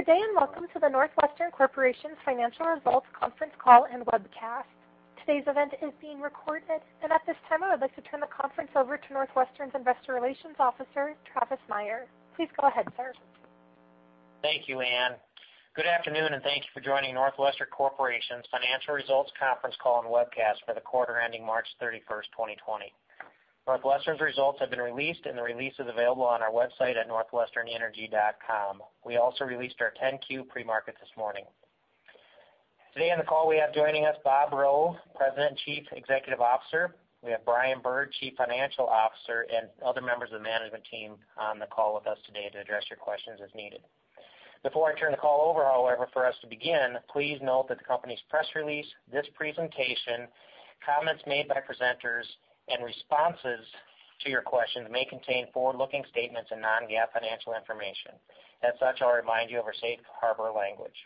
Good day, welcome to the NorthWestern Corporation's Financial Results Conference Call and Webcast. Today's event is being recorded. At this time, I would like to turn the conference over to NorthWestern's Investor Relations Officer, Travis Meyer. Please go ahead, sir. Thank you, Anne. Good afternoon, thank you for joining NorthWestern Corporation's Financial Results Conference Call and Webcast for the Quarter Ending March 31, 2020. NorthWestern's results have been released, and the release is available on our website at northwesternenergy.com. We also released our 10-Q pre-market this morning. Today on the call, we have joining us, Bob Rowe, President, Chief Executive Officer. We have Brian Bird, Chief Financial Officer, and other members of the management team on the call with us today to address your questions as needed. Before I turn the call over, however, for us to begin, please note that the company's press release, this presentation, comments made by presenters, and responses to your questions may contain forward-looking statements and non-GAAP financial information. As such, I'll remind you of our safe harbor language.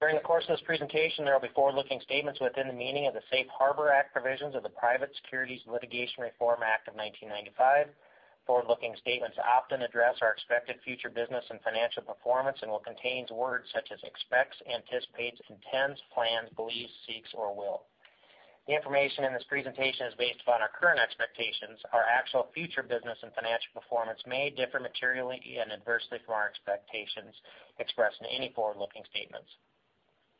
During the course of this presentation, there will be forward-looking statements within the meaning of the Safe Harbor Act provisions of the Private Securities Litigation Reform Act of 1995. Forward-looking statements often address our expected future business and financial performance and will contain words such as expects, anticipates, intends, plans, believes, seeks, or will. The information in this presentation is based upon our current expectations. Our actual future business and financial performance may differ materially and adversely from our expectations expressed in any forward-looking statements.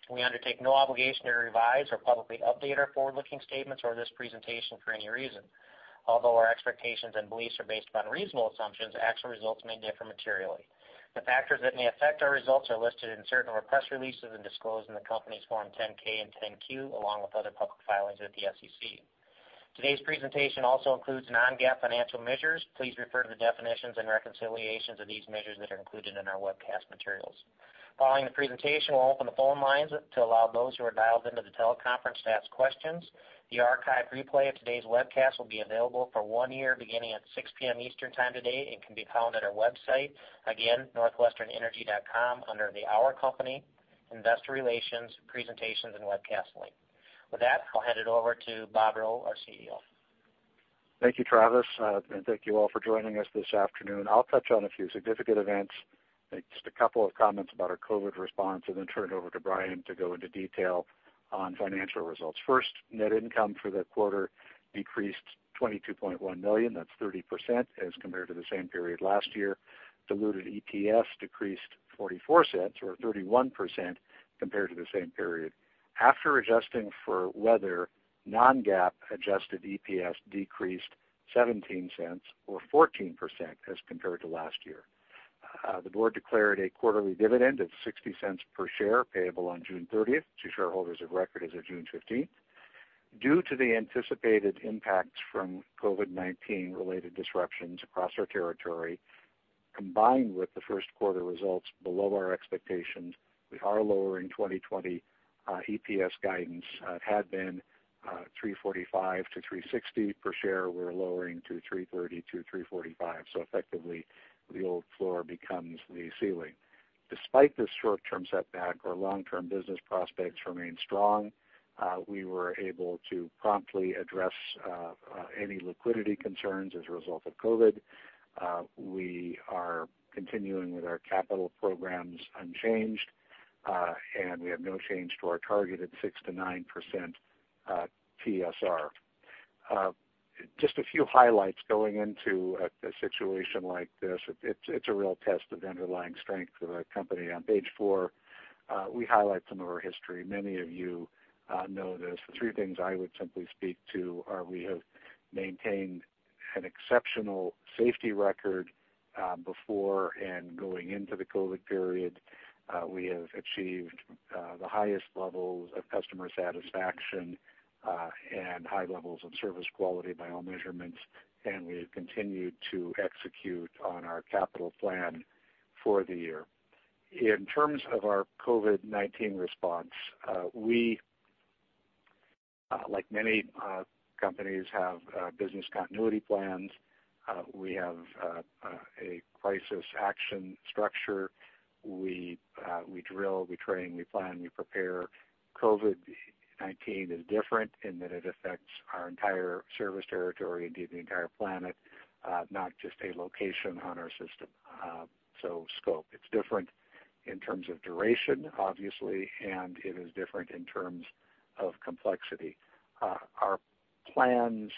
We undertake no obligation to revise or publicly update our forward-looking statements or this presentation for any reason. Although our expectations and beliefs are based upon reasonable assumptions, actual results may differ materially. The factors that may affect our results are listed in certain of our press releases and disclosed in the company's Form 10-K and 10-Q, along with other public filings with the SEC. Today's presentation also includes non-GAAP financial measures. Please refer to the definitions and reconciliations of these measures that are included in our webcast materials. Following the presentation, we'll open the phone lines up to allow those who are dialed into the teleconference to ask questions. The archived replay of today's webcast will be available for one year, beginning at 6:00 P.M. Eastern Time today, and can be found at our website, again, northwesternenergy.com, under the Our Company, Investor Relations, Presentations, and Webcast link. With that, I'll hand it over to Bob Rowe, our CEO. Thank you, Travis. Thank you all for joining us this afternoon. I'll touch on a few significant events, make just a couple of comments about our COVID-19 response, then turn it over to Brian to go into detail on financial results. First, net income for the quarter decreased $22.1 million. That's 30% as compared to the same period last year. Diluted EPS decreased $0.44 or 31% compared to the same period. After adjusting for weather, non-GAAP-adjusted EPS decreased $0.17 or 14% as compared to last year. The Board declared a quarterly dividend of $0.60 per share payable on June 30th to shareholders of record as of June 15th. Due to the anticipated impacts from COVID-19-related disruptions across our territory, combined with the first quarter results below our expectations, we are lowering 2020 EPS guidance. It had been $3.45-$3.60 per share. We're lowering to $3.30-$3.45. Effectively, the old floor becomes the ceiling. Despite this short-term setback, our long-term business prospects remain strong. We were able to promptly address any liquidity concerns as a result of COVID-19. We are continuing with our capital programs unchanged, we have no change to our targeted 6%-9% TSR. Just a few highlights going into a situation like this. It's a real test of underlying strength of a company. On page four, we highlight some of our history. Many of you know this. The three things I would simply speak to are we have maintained an exceptional safety record before and going into the COVID-19 period. We have achieved the highest levels of customer satisfaction and high levels of service quality by all measurements, and we have continued to execute on our capital plan for the year. In terms of our COVID-19 response, we, like many companies, have business continuity plans. We have a crisis action structure. We drill, we train, we plan, we prepare. COVID-19 is different in that it affects our entire service territory, indeed the entire planet, not just a location on our system, so scope. It's different in terms of duration, obviously, and it is different in terms of complexity. Our plans,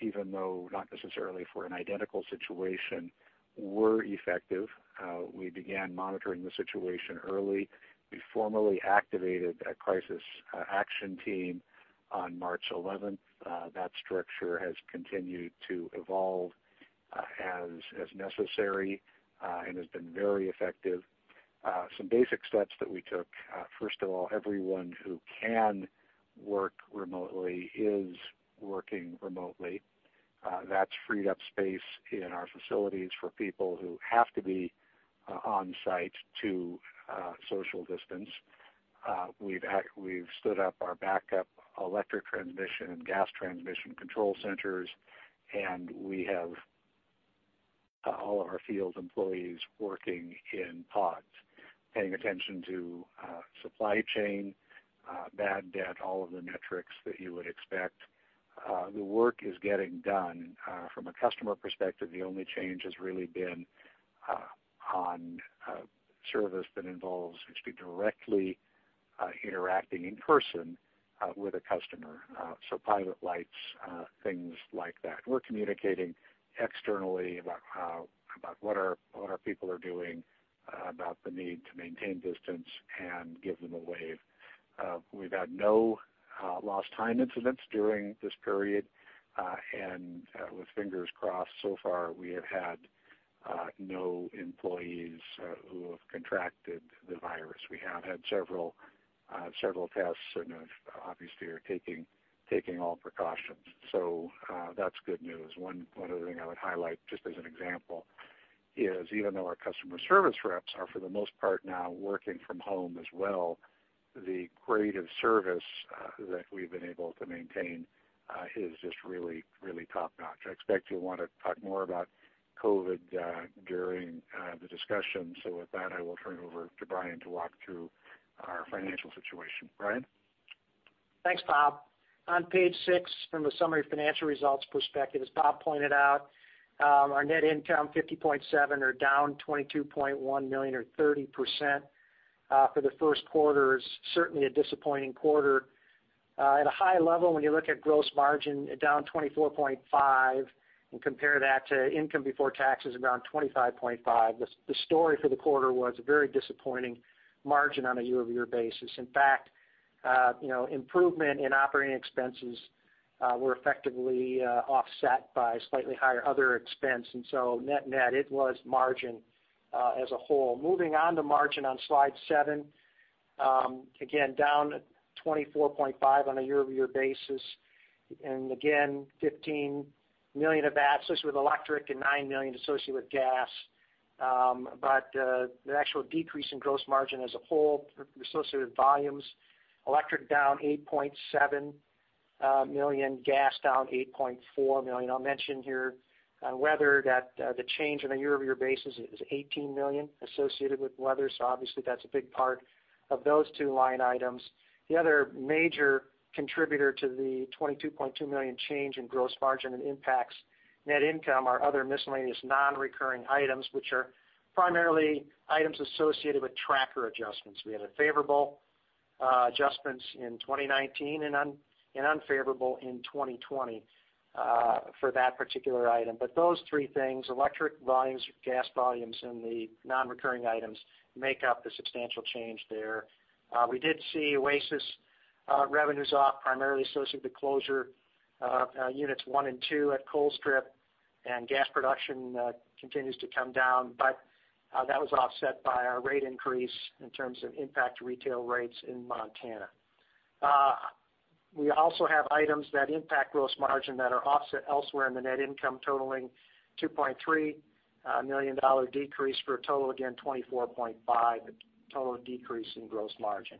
even though not necessarily for an identical situation, were effective. We began monitoring the situation early. We formally activated a crisis action team on March 11th. That structure has continued to evolve as necessary and has been very effective. Some basic steps that we took, first of all, everyone who can work remotely is working remotely. That's freed up space in our facilities for people who have to be on-site to social distance. We've stood up our backup electric transmission and gas transmission control centers. We have all of our field employees working in pods. Paying attention to supply chain, bad debt, all of the metrics that you would expect. The work is getting done. From a customer perspective, the only change has really been on service that involves actually directly interacting in person with a customer. So, pilot lights, things like that. We're communicating externally about what our people are doing about the need to maintain distance and give them a wave. We've had no lost time incidents during this period. With fingers crossed, so far, we have had no employees who have contracted the virus. We have had several tests and obviously are taking all precautions. That's good news. One other thing I would highlight, just as an example, is even though our customer service reps are, for the most part, now working from home as well, the creative service that we've been able to maintain is just really top-notch. I expect you'll want to talk more about COVID-19 during the discussion. With that, I will turn it over to Brian to walk through our financial situation. Brian? Thanks, Bob. On page six, from a summary financial results perspective, as Bob pointed out, our net income, $50.7 million, or down $22.1 million or 30% for the first quarter is certainly a disappointing quarter. At a high level, when you look at gross margin, down $24.5, compare that to income before tax is around $25.5. The story for the quarter was a very disappointing margin on a year-over-year basis. In fact, improvement in operating expenses were effectively offset by slightly higher other expense. Net, it was margin as a whole. Moving on to margin on slide seven. Again, down $24.5 million on a year-over-year basis. Again, $15 million of that associated with electric and $9 million associated with gas. The actual decrease in gross margin as a whole associated with volumes, electric down $8.7 million, gas down $8.4 million. I'll mention here, weather, that the change on a year-over-year basis is $18 million associated with weather. Obviously, that's a big part of those two line items. The other major contributor to the $22.2 million change in gross margin and impacts net income are other miscellaneous non-recurring items, which are primarily items associated with tracker adjustments. We had favorable adjustments in 2019 and unfavorable in 2020 for that particular item. Those three things, electric volumes, gas volumes, and the non-recurring items, make up the substantial change there. We did see OASIS revenues off, primarily associated with the closure of Units one and two at Colstrip, and gas production continues to come down. That was offset by our rate increase in terms of impact to retail rates in Montana. We also have items that impact gross margin that are offset elsewhere in the net income, totaling $2.3 million decrease for a total, again, $24.5 million, the total decrease in gross margin.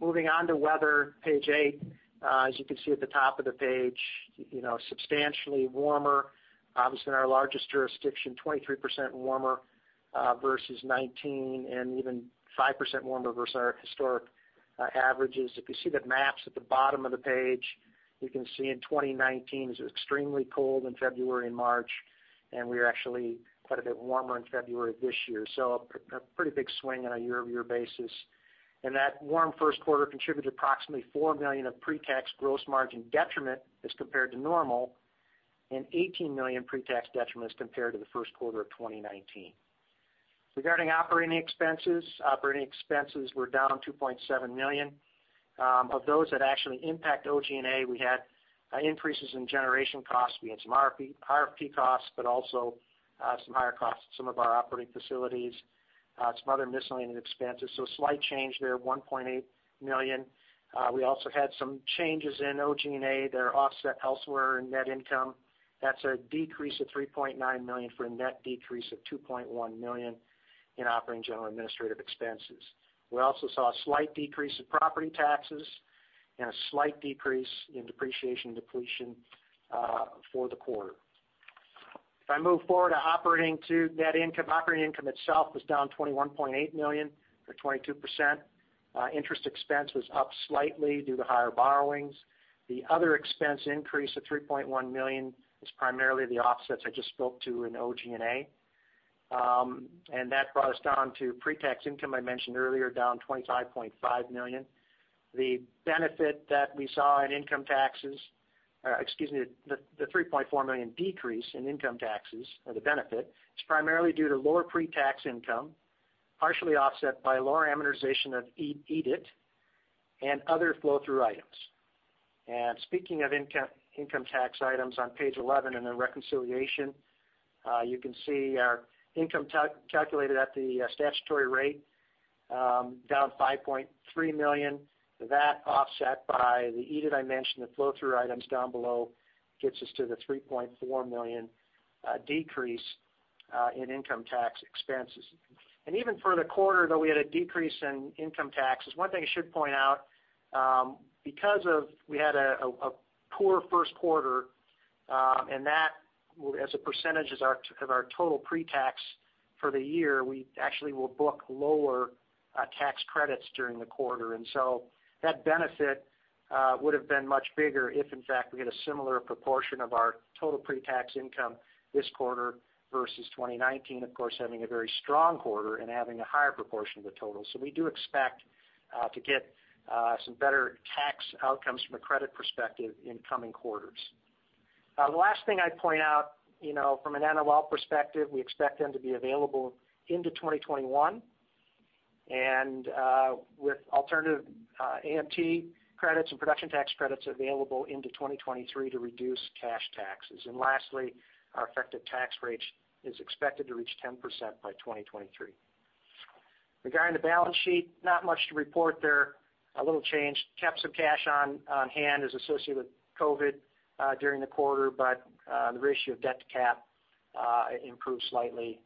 Moving on to weather, page eight. As you can see at the top of the page, substantially warmer. Obviously in our largest jurisdiction, 23% warmer versus 2019, and even 5% warmer versus our historic averages. If you see the maps at the bottom of the page, you can see in 2019 it was extremely cold in February and March, and we are actually quite a bit warmer in February this year. A pretty big swing on a year-over-year basis. That warm first quarter contributed approximately $4 million of pre-tax gross margin detriment as compared to normal and $18 million pre-tax detriment as compared to the first quarter of 2019. Regarding operating expenses, operating expenses were down $2.7 million. Of those that actually impact OG&A, we had increases in generation costs. We had some RFP costs, but also some higher costs at some of our operating facilities, some other miscellaneous expenses. A slight change there of $1.8 million. We also had some changes in OG&A that are offset elsewhere in net income. That's a decrease of $3.9 million for a net decrease of $2.1 million in operating, general and administrative expenses. We also saw a slight decrease in property taxes and a slight decrease in depreciation and depletion for the quarter. If I move forward to net income, operating income itself was down $21.8 million or 22%. Interest expense was up slightly due to higher borrowings. The other expense increase of $3.1 million is primarily the offsets I just spoke to in OG&A. That brought us down to pre-tax income I mentioned earlier, down $25.5 million. The benefit that we saw in income taxes, the $3.4 million decrease in income taxes or the benefit, is primarily due to lower pre-tax income, partially offset by lower amortization of EDIT and other flow-through items. Speaking of income tax items, on page 11 in the reconciliation, you can see our income calculated at the statutory rate down $5.3 million. That offset by the EDIT I mentioned, the flow-through items down below gets us to the $3.4 million decrease in income tax expenses. Even for the quarter, though we had a decrease in income taxes, one thing I should point out, because we had a poor first quarter. That as a percentage of our total pre-tax for the year, we actually will book lower tax credits during the quarter. That benefit would have been much bigger if in fact we had a similar proportion of our total pre-tax income this quarter versus 2019, of course, having a very strong quarter and having a higher proportion of the total. We do expect to get some better tax outcomes from a credit perspective in coming quarters. The last thing I'd point out from an NOL perspective, we expect them to be available into 2021 and with alternative AMT credits and production tax credits available into 2023 to reduce cash taxes. Lastly, our effective tax rate is expected to reach 10% by 2023. Regarding the balance sheet, not much to report there. A little change. Kept some cash on hand as associated with COVID-19 during the quarter, but the ratio of debt to cap improved slightly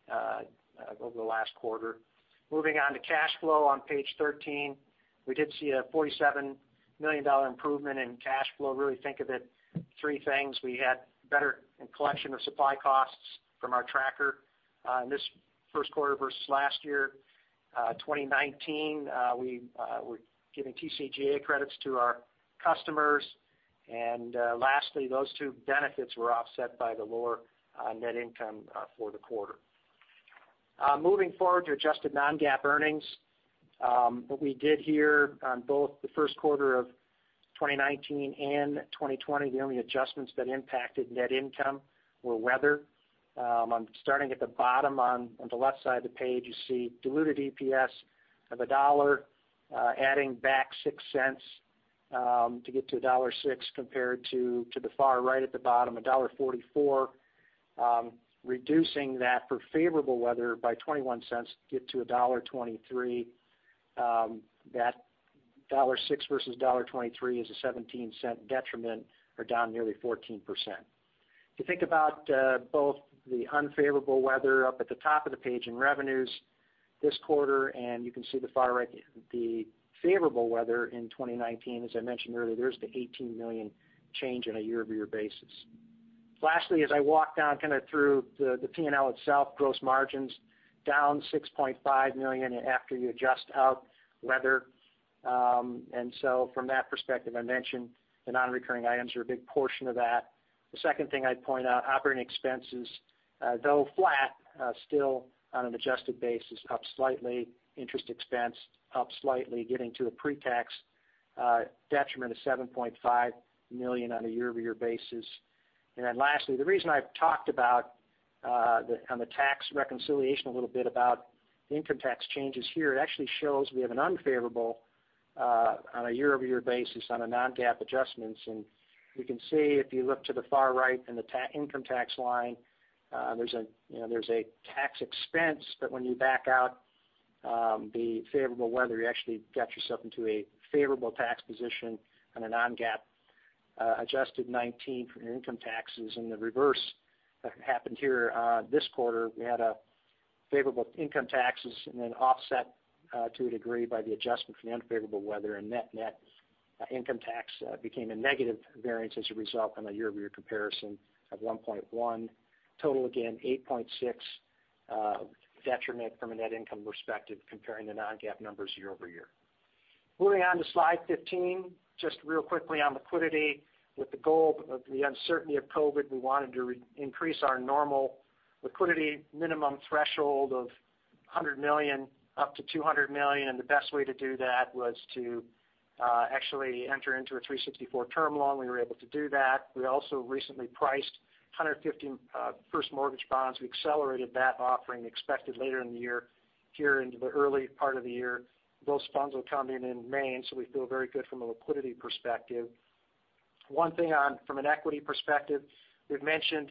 over the last quarter. Moving on to cash flow on page 13. We did see a $47 million improvement in cash flow. Really think of it three things. We had better collection of supply costs from our tracker in this first quarter versus last year. 2019, we were giving TCJA credits to our customers. Lastly, those two benefits were offset by the lower net income for the quarter. Moving forward to adjusted non-GAAP earnings. What we did here on both the first quarter of 2019 and 2020, the only adjustments that impacted net income were weather. Starting at the bottom on the left side of the page, you see diluted EPS of $1 adding back $0.06 to get to $1.06 compared to the far right at the bottom, $1.44. Reducing that for favorable weather by $0.21 to get to $1.23. That $1.06 versus $1.23 is a $0.17 detriment or down nearly 14%. If you think about both the unfavorable weather up at the top of the page in revenues this quarter, and you can see the favorable weather in 2019, as I mentioned earlier, there's the $18 million change on a year-over-year basis. Lastly, as I walk down kind of through the P&L itself, gross margins down $6.5 million after you adjust out weather. So, from that perspective, I mentioned the non-recurring items are a big portion of that. The second thing I'd point out, operating expenses, though flat, still on an adjusted basis, up slightly. Interest expense up slightly, getting to a pre-tax detriment of $7.5 million on a year-over-year basis. Lastly, the reason I've talked about on the tax reconciliation a little bit about income tax changes here, it actually shows we have an unfavorable on a year-over-year basis on a non-GAAP adjustments. You can see if you look to the far right in the income tax line, there's a tax expense. When you back out the favorable weather, you actually got yourself into a favorable tax position on a non-GAAP adjusted 2019 for income taxes. The reverse happened here this quarter. We had a favorable income taxes offset to a degree by the adjustment for the unfavorable weather net income tax became a negative variance as a result on a year-over-year comparison of $1.1 million. Total, again, $8.6 million detriment from a net income perspective comparing the non-GAAP numbers year-over-year. Moving on to slide 15, just real quickly on liquidity. With the goal of the uncertainty of COVID-19, we wanted to increase our normal liquidity minimum threshold of $100 million up to $200 million, and the best way to do that was to actually enter into a 364-day term loan. We were able to do that. We also recently priced $150 first mortgage bonds. We accelerated that offering expected later in the year here into the early part of the year. Those funds will come in in May, and so we feel very good from a liquidity perspective. One thing from an equity perspective, we've mentioned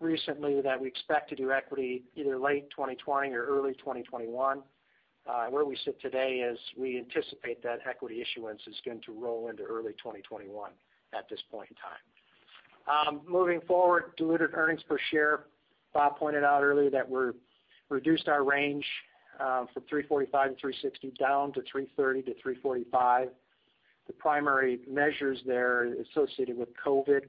recently that we expect to do equity either late 2020 or early 2021. Where we sit today is we anticipate that equity issuance is going to roll into early 2021 at this point in time. Moving forward, diluted earnings per share. Bob pointed out earlier that we reduced our range from $3.45-$3.60 down to $3.30-$3.45. The primary measures there associated with COVID-19,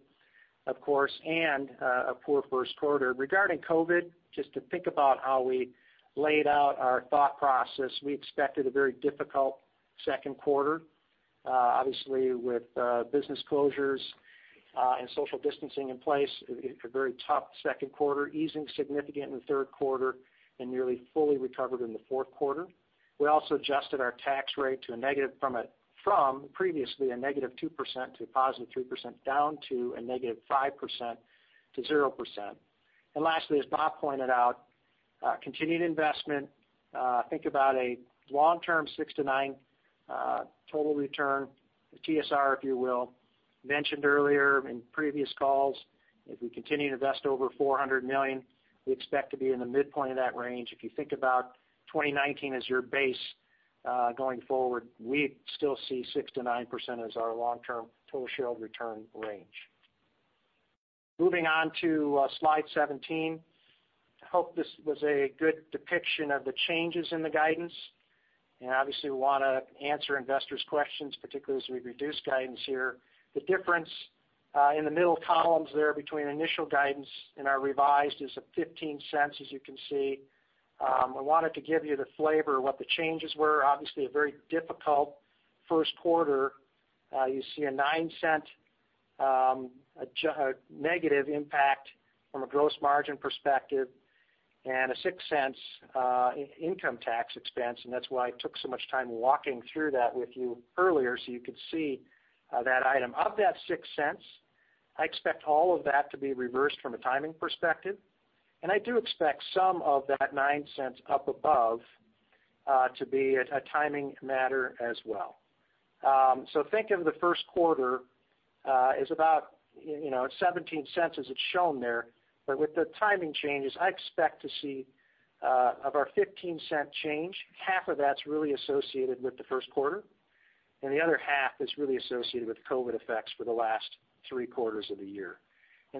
of course, and a poor first quarter. Regarding COVID-19, just to think about how we laid out our thought process, we expected a very difficult second quarter. Obviously, with business closures and social distancing in place, a very tough second quarter, easing significant in the third quarter, and nearly fully recovered in the fourth quarter. We also adjusted our tax rate from previously a -2% to a +3% down to a -5%-0%. Lastly, as Bob pointed out, continued investment. Think about a long-term 6%-9% total return TSR, if you will. Mentioned earlier in previous calls, if we continue to invest over $400 million, we expect to be in the midpoint of that range. If you think about 2019 as your base going forward, we still see 6%-9% as our long-term total shareholder return range. Moving on to slide 17. I hope this was a good depiction of the changes in the guidance. Obviously, we want to answer investors' questions, particularly as we reduce guidance here. The difference in the middle columns there between initial guidance and our revised is at $0.15, as you can see. We wanted to give you the flavor of what the changes were. Obviously, a very difficult first quarter. You see a $0.09 negative impact from a gross margin perspective and a $0.06 income tax expense. That's why I took so much time walking through that with you earlier so you could see that item. Of that $0.06, I expect all of that to be reversed from a timing perspective. I do expect some of that $0.09 up above to be a timing matter as well. Think of the first quarter as about $0.17 as it's shown there, but with the timing changes, I expect to see, of our $0.15 change, half of that's really associated with the first quarter, and the other half is really associated with COVID-19 effects for the last three quarters of the year.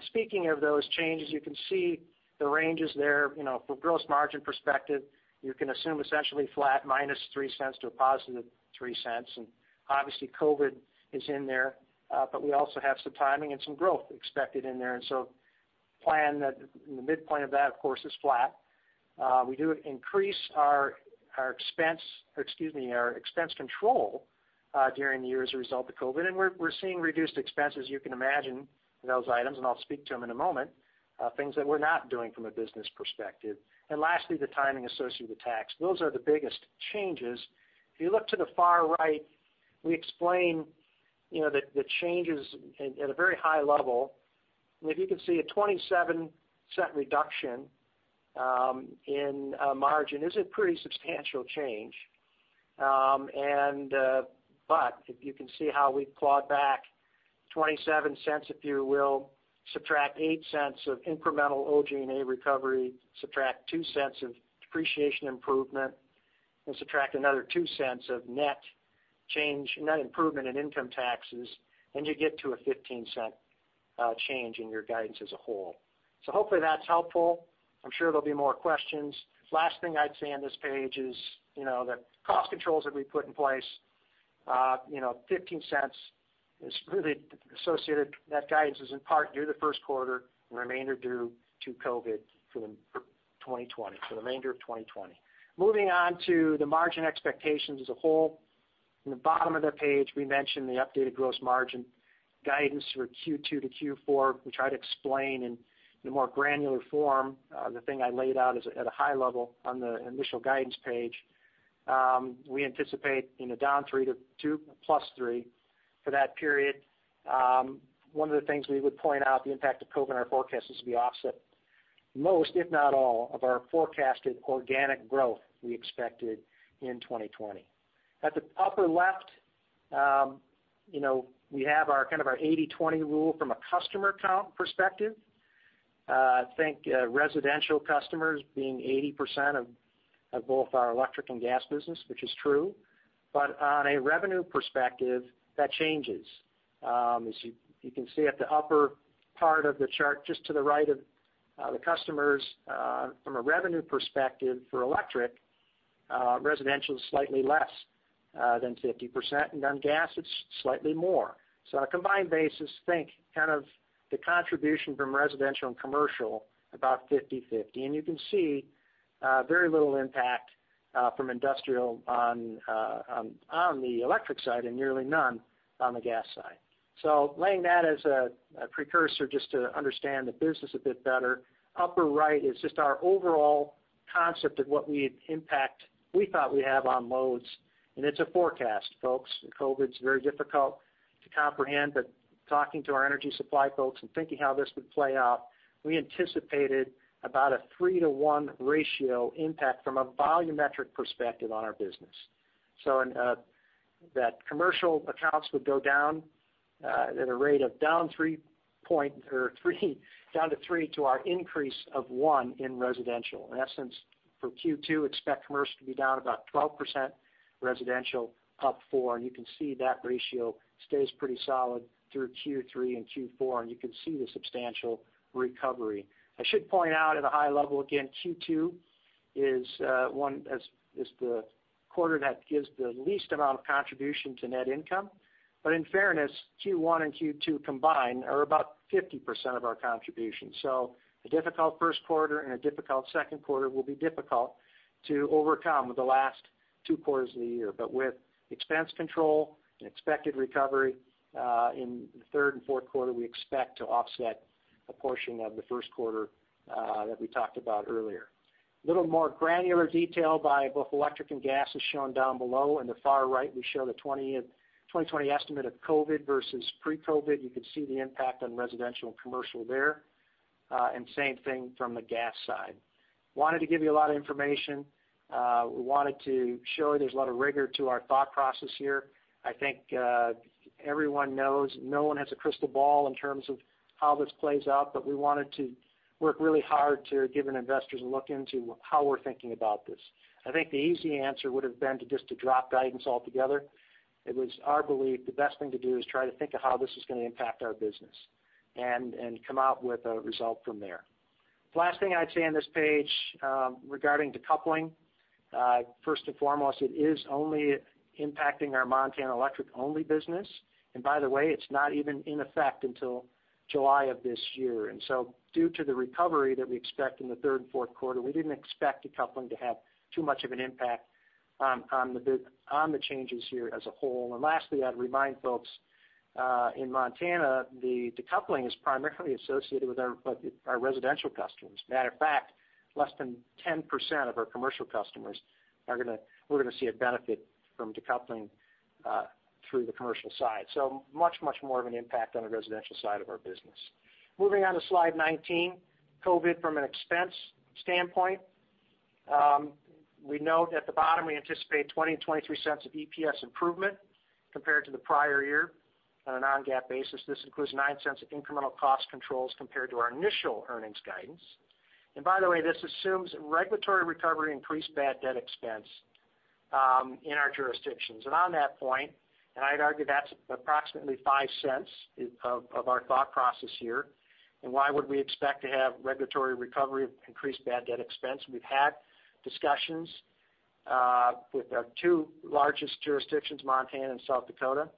Speaking of those changes, you can see the ranges there. From a gross margin perspective, you can assume essentially flat -$0.03 to a +$0.03. Obviously COVID-19 is in there, but we also have some timing and some growth expected in there. Plan that the midpoint of that, of course, is flat. We do increase our expense control during the year as a result of COVID-19, and we're seeing reduced expenses, you can imagine, in those items, and I'll speak to them in a moment, things that we're not doing from a business perspective. Lastly, the timing associated with tax. Those are the biggest changes. If you look to the far right, we explain the changes at a very high level. If you can see a $0.27 reduction in margin is a pretty substantial change. But if you can see how we clawed back $0.27, if you will, subtract $0.08 of incremental OG&A recovery, subtract $0.02 of depreciation improvement, and subtract another $0.02 of net improvement in income taxes, and you get to a $0.15 change in your guidance as a whole. Hopefully that's helpful. I'm sure there'll be more questions. Last thing I'd say on this page is that cost controls that we put in place, $0.15 is really associated that guidance is in part due to the first quarter, and the remainder due to COVID-19 for 2020, for the remainder of 2020. Moving on to the margin expectations as a whole. In the bottom of the page, we mentioned the updated gross margin guidance for Q2 to Q4. We try to explain in a more granular form the thing I laid out at a high level on the initial guidance page. We anticipate down $0.03 to plus $0.03 For that period. One of the things we would point out, the impact of COVID-19 on our forecast is to be offset most, if not all, of our forecasted organic growth we expected in 2020. At the upper left, we have our kind of our 80/20 rule from a customer count perspective. Think residential customers being 80% of both our electric and gas business, which is true. On a revenue perspective, that changes. As you can see at the upper part of the chart, just to the right of the customers, from a revenue perspective for electric, residential is slightly less than 50%, and on gas, it's slightly more. On a combined basis, think kind of the contribution from residential and commercial, about 50/50. You can see very little impact from industrial on the electric side and nearly none on the gas side. Laying that as a precursor just to understand the business a bit better. Upper right is just our overall concept of what impact we thought we'd have on loads, and it's a forecast, folks. With COVID-19, it's very difficult to comprehend, but talking to our energy supply folks and thinking how this would play out, we anticipated about a 3:1 ratio impact from a volumetric perspective on our business. That commercial accounts would go down at a rate of down to three to our increase of one in residential. In essence, for Q2, expect commerce to be down about 12%, residential up 4%, and you can see that ratio stays pretty solid through Q3 and Q4, and you can see the substantial recovery. I should point out at a high level, again, Q2 is the quarter that gives the least amount of contribution to net income. In fairness, Q1 and Q2 combined are about 50% of our contribution. A difficult first quarter and a difficult second quarter will be difficult to overcome with the last two quarters of the year. With expense control and expected recovery in the third and fourth quarter, we expect to offset a portion of the first quarter that we talked about earlier. A little more granular detail by both electric and gas is shown down below. In the far right, we show the 2020 estimate of COVID-19 versus pre-COVID-19. You can see the impact on residential and commercial there, and same thing from the gas side. We wanted to give you a lot of information. We wanted to show there's a lot of rigor to our thought process here. I think everyone knows no one has a crystal ball in terms of how this plays out, but we wanted to work really hard to give an investor's look into how we're thinking about this. I think the easy answer would have been just to drop guidance altogether. It was our belief the best thing to do is try to think of how this is going to impact our business and come out with a result from there. Last thing I'd say on this page regarding decoupling. First and foremost, it is only impacting our Montana electric-only business. By the way, it's not even in effect until July of this year. Due to the recovery that we expect in the third and fourth quarter, we didn't expect decoupling to have too much of an impact on the changes here as a whole. Lastly, I'd remind folks, in Montana, the decoupling is primarily associated with our residential customers. Matter of fact, less than 10% of our commercial customers are going to see a benefit from decoupling through the commercial side. So much more of an impact on the residential side of our business. Moving on to slide 19, COVID-19 from an expense standpoint. We note at the bottom, we anticipate $0.20-$0.23 of EPS improvement compared to the prior year on a non-GAAP basis. This includes $0.09 of incremental cost controls compared to our initial earnings guidance. By the way, this assumes regulatory recovery increased bad debt expense in our jurisdictions. On that point, I'd argue that's approximately $0.05 of our thought process here. Why would we expect to have regulatory recovery increased bad debt expense? We've had discussions with our two largest jurisdictions, Montana and South Dakota.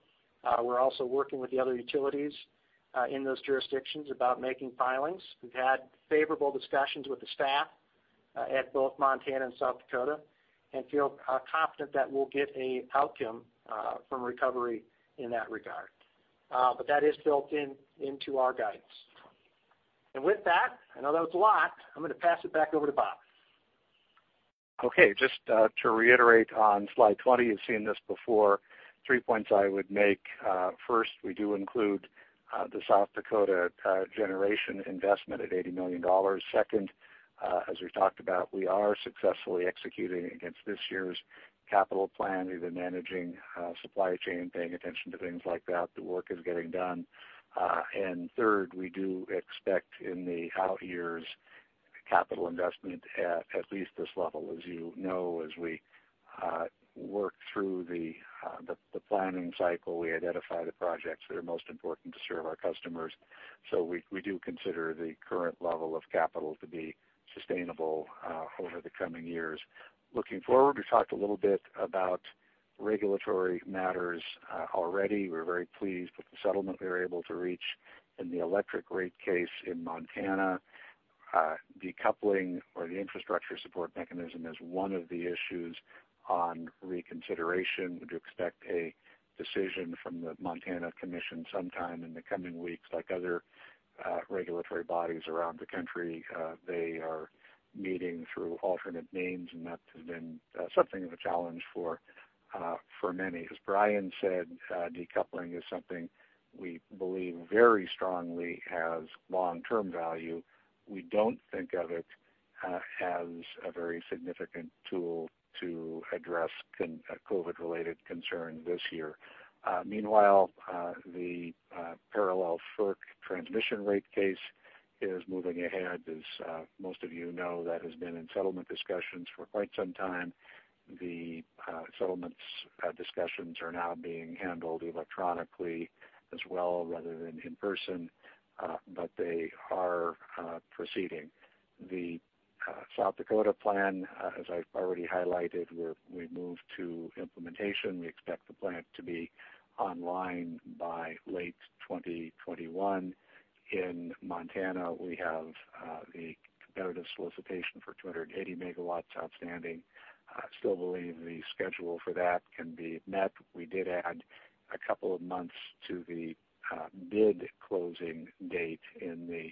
We're also working with the other utilities in those jurisdictions about making filings. We've had favorable discussions with the staff at both Montana and South Dakota, and feel confident that we'll get an outcome from recovery in that regard. That is built into our guidance. With that, I know that was a lot. I'm going to pass it back over to Bob. Okay. Just to reiterate on slide 20, you've seen this before. Three points I would make. First, we do include the South Dakota generation investment at $80 million. Second, as we've talked about, we are successfully executing against this year's capital plan. We've been managing supply chain, paying attention to things like that. The work is getting done. Third, we do expect in the out years capital investment at least this level. As you know, as we work through the planning cycle, we identify the projects that are most important to serve our customers. We do consider the current level of capital to be sustainable over the coming years. Looking forward, we've talked a little bit about regulatory matters already. We're very pleased with the settlement we were able to reach in the electric rate case in Montana. Decoupling or the infrastructure support mechanism is one of the issues on reconsideration. Would you expect a decision from the Montana Commission sometime in the coming weeks? Like other regulatory bodies around the country, they are meeting through alternate means, and that has been something of a challenge for many. As Brian said, decoupling is something we believe very strongly has long-term value. We don't think of it as a very significant tool to address COVID-19-related concerns this year. Meanwhile, the parallel FERC transmission rate case is moving ahead. As most of you know, that has been in settlement discussions for quite some time. The settlements discussions are now being handled electronically as well, rather than in person, but they are proceeding. The South Dakota plan, as I've already highlighted, we've moved to implementation. We expect the plant to be online by late 2021. In Montana, we have the competitive solicitation for 280 MW outstanding. Still believe the schedule for that can be met. We did add a couple of months to the bid closing date in the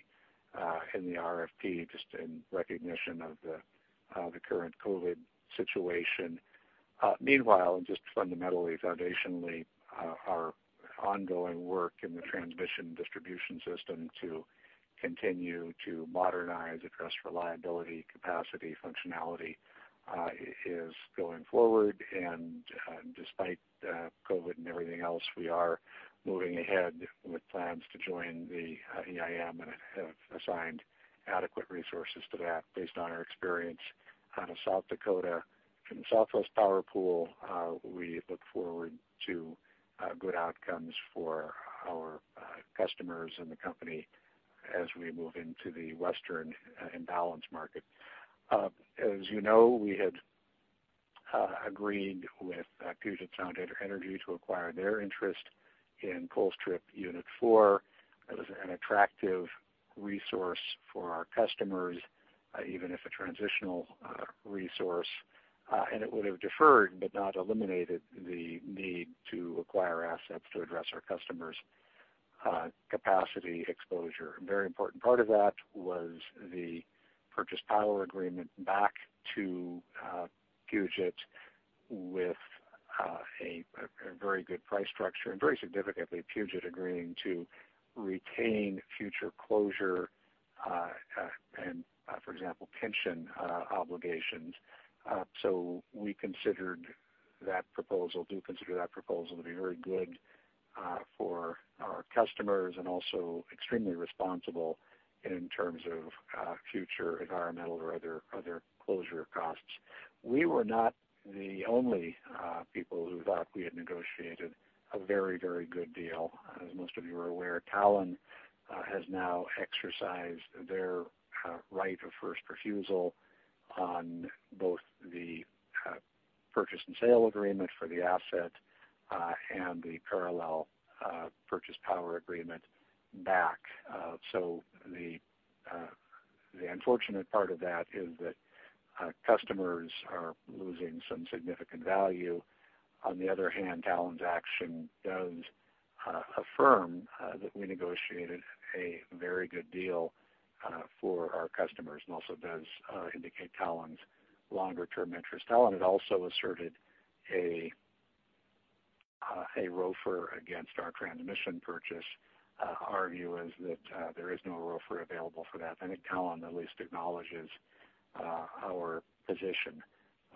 RFP, just in recognition of the current COVID-19 situation. Meanwhile, just fundamentally, foundationally, our ongoing work in the transmission distribution system to continue to modernize, address reliability, capacity, functionality is going forward. Despite COVID and everything else, we are moving ahead with plans to join the EIM and have assigned adequate resources to that based on our experience out of South Dakota. In the Southwest Power Pool, we look forward to good outcomes for our customers and the company as we move into the Western and balanced market. As you know, we had agreed with Puget Sound Energy to acquire their interest in Colstrip Unit 4. That was an attractive resource for our customers, even if a transitional resource, and it would have deferred but not eliminated the need to acquire assets to address our customers' capacity exposure. A very important part of that was the purchase power agreement back to Puget with a very good price structure and very significantly, Puget agreeing to retain future closure and, for example, pension obligations. We do consider that proposal to be very good for our customers and also extremely responsible in terms of future environmental or other closure costs. We were not the only people who thought we had negotiated a very good deal. As most of you are aware, Talen has now exercised their right of first refusal on both the purchase and sale agreement for the asset, and the parallel purchase power agreement back. The unfortunate part of that is that customers are losing some significant value. On the other hand, Talen's action does affirm that we negotiated a very good deal for our customers and also does indicate Talen's longer-term interest. Talen had also asserted a ROFR against our transmission purchase. Our view is that there is no ROFR available for that. I think Talen at least acknowledges our position.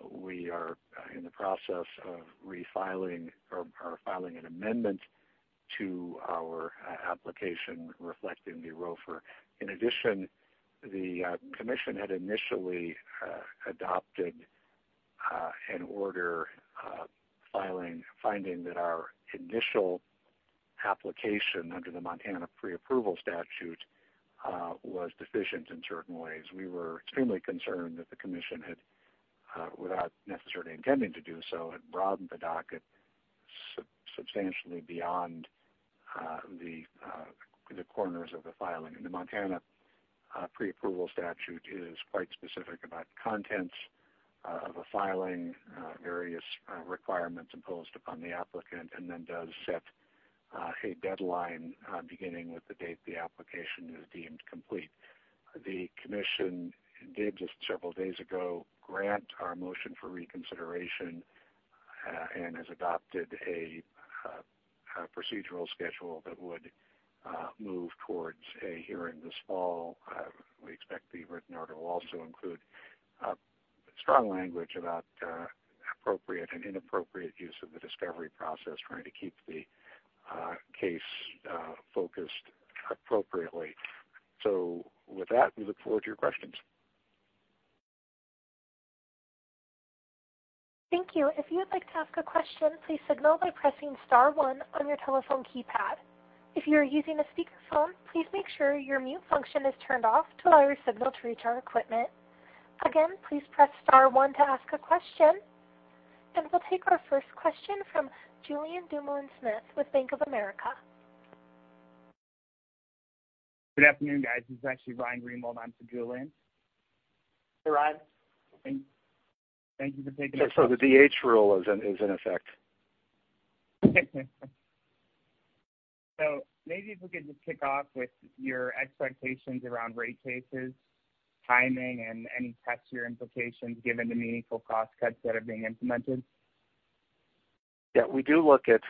We are in the process of refiling or filing an amendment to our application reflecting the ROFR. In addition, the commission had initially adopted an order finding that our initial application under the Montana pre-approval statute was deficient in certain ways. We were extremely concerned that the commission had, without necessarily intending to do so, had broadened the docket substantially beyond the corners of the filing. The Montana pre-approval statute is quite specific about the contents of a filing, various requirements imposed upon the applicant, and then does set a deadline beginning with the date the application is deemed complete. The commission did just several days ago, grant our motion for reconsideration and has adopted a procedural schedule that would move towards a hearing this fall. We expect the written order will also include strong language about appropriate and inappropriate use of the discovery process, trying to keep the case focused appropriately. So, with that, we look forward to your questions. Thank you. If you would like to ask a question, please signal by pressing star one on your telephone keypad. If you are using a speakerphone, please make sure your mute function is turned off to allow your signal to reach our equipment. Again, please press star one to ask a question. We'll take our first question from Julien Dumoulin-Smith with Bank of America. Good afternoon, guys. This is actually Ryan Greenwald on for Julien. Hey, Ryan. Thank you for taking my call. The DH rule is in effect. Maybe if we could just kick off with your expectations around rate cases, timing, and any test year implications given the meaningful cost cuts that are being implemented. Yeah, we do look at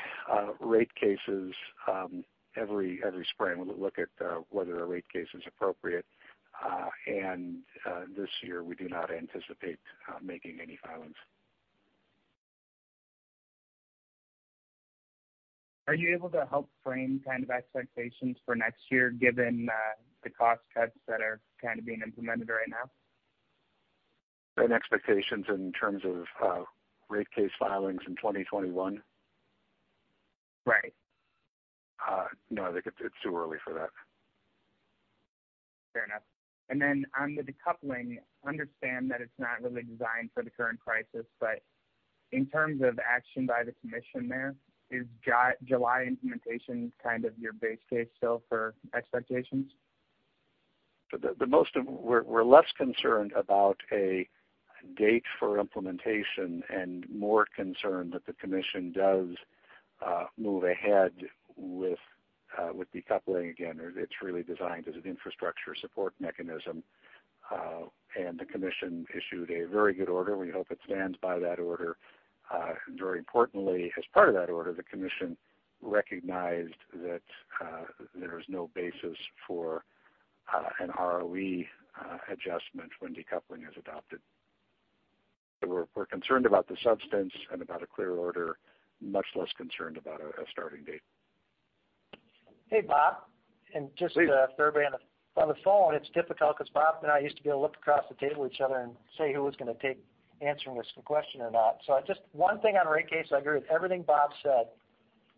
rate cases every spring. We look at whether a rate case is appropriate. This year, we do not anticipate making any filings. Are you able to help frame kind of expectations for next year given the cost cuts that are kind of being implemented right now? Any expectations in terms of rate case filings in 2021? Right. No. I think it's too early for that. Fair enough. On the decoupling, understand that it's not really designed for the current crisis, but in terms of action by the commission there, is July implementation kind of your base case still for expectations? The most of we're less concerned about a date for implementation and more concerned that the commission does move ahead with decoupling. Again, it's really designed as an infrastructure support mechanism. The commission issued a very good order. We hope it stands by that order. Very importantly, as part of that order, the commission recognized that there is no basis for an ROE adjustment when decoupling is adopted. We're concerned about the substance and about a clear order, much less concerned about a starting date. Hey, Bob. Just for everybody on the phone, it's difficult because Bob and I used to be able to look across the table at each other and say who was going to take answering this question or not. Just one thing on rate case. I agree with everything Bob said.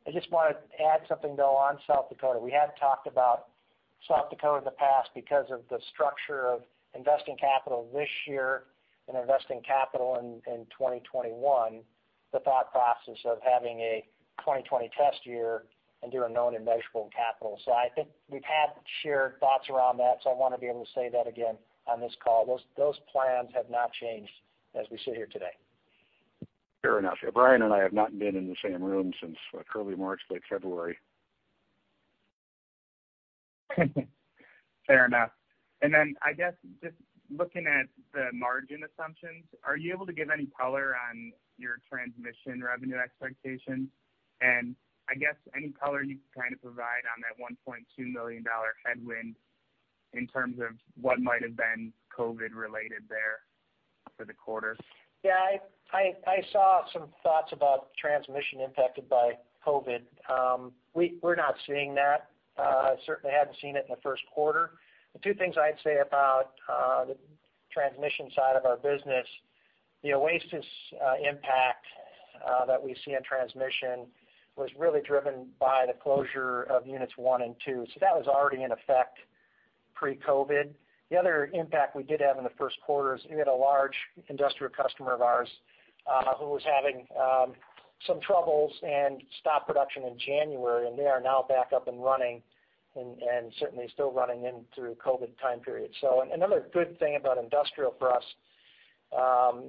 I just want to add something, though, on South Dakota. We have talked about South Dakota in the past because of the structure of investing capital this year and investing capital in 2021, the thought process of having a 2020 test year and doing known and measurable capital. I think we've had shared thoughts around that, so I want to be able to say that again on this call. Those plans have not changed as we sit here today. Fair enough. Yeah, Brian and I have not been in the same room since early March, late February. Fair enough. Then I guess just looking at the margin assumptions, are you able to give any color on your transmission revenue expectations? I guess any color you can kind of provide on that $1.2 million headwind in terms of what might have been COVID-19 related there for the quarter? Yeah, I saw some thoughts about transmission impacted by COVID-19. We're not seeing that. Certainly hadn't seen it in the first quarter. The two things I'd say about the transmission side of our business, the OASIS impact that we see in transmission was really driven by the closure of Units one and two. That was already in effect pre-COVID. The other impact we did have in the first quarter is we had a large industrial customer of ours who was having some troubles and stopped production in January, and they are now back up and running, and certainly still running in through COVID-19 time period. Another good thing about industrial for us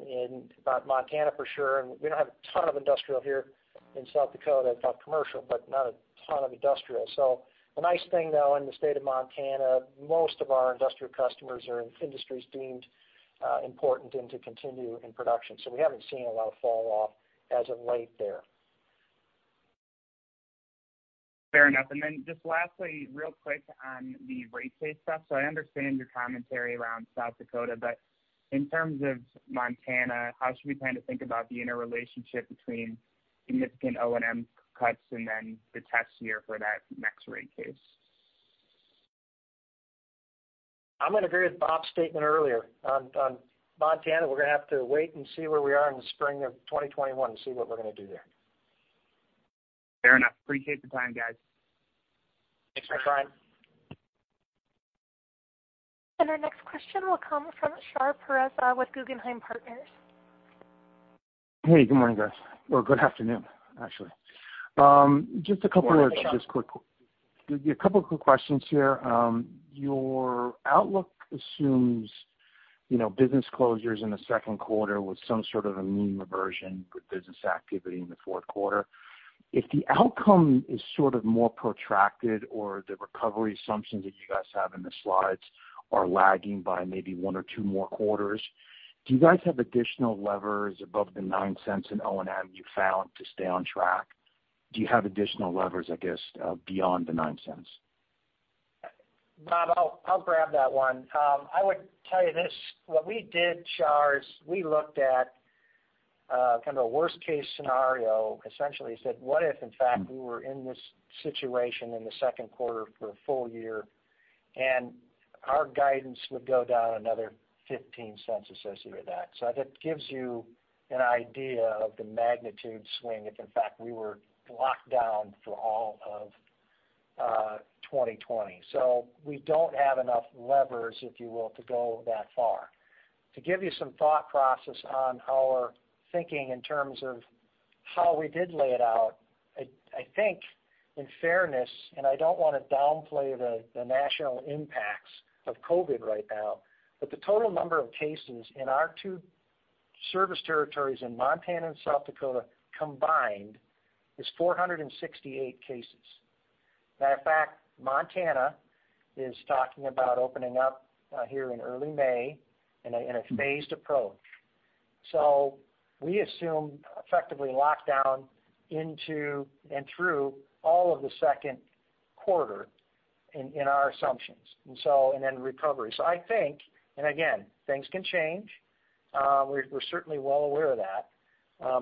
in Montana for sure, and we don't have a ton of industrial here in South Dakota. We've got commercial, but not a ton of industrial. A nice thing, though, in the state of Montana, most of our industrial customers are in industries deemed important and to continue in production. We haven't seen a lot of fall off as of late there. Fair enough. Just lastly, real quick on the rate case stuff. I understand your commentary around South Dakota, but in terms of Montana, how should we kind of think about the interrelationship between significant O&M cuts and then the test year for that next rate case? I'm going to agree with Bob's statement earlier. On Montana, we're going to have to wait and see where we are in the spring of 2021 to see what we're going to do there. Fair enough. Appreciate the time, guys. Thanks, Ryan. Our next question will come from Shar Pourreza with Guggenheim Partners. Hey, good morning, guys, or good afternoon, actually. Morning. Just quick, a couple of quick questions here. Your outlook assumes business closures in the second quarter with some sort of a mean reversion with business activity in the fourth quarter. If the outcome is sort of more protracted or the recovery assumptions that you guys have in the slides are lagging by maybe one or two more quarters, do you guys have additional levers above the $0.09 in O&M you found to stay on track? Do you have additional levers, I guess, beyond the $0.09? Bob, I'll grab that one. I would tell you this. What we did, Shar, is we looked at kind of a worst-case scenario, essentially said, what if, in fact, we were in this situation in the second quarter for a full year? Our guidance would go down another $0.15 associated with that. That gives you an idea of the magnitude swing, if in fact we were locked down for all of 2020. We don't have enough levers, if you will, to go that far. To give you some thought process on our thinking in terms of how we did lay it out, I think in fairness, and I don't want to downplay the national impacts of COVID-19 right now, but the total number of cases in our two service territories in Montana and South Dakota combined is 468 cases. Matter of fact, Montana is talking about opening up here in early May in a phased approach. We assume effectively lockdown into and through all of the second quarter in our assumptions. Recovery. I think, and again, things can change. We're certainly well aware of that.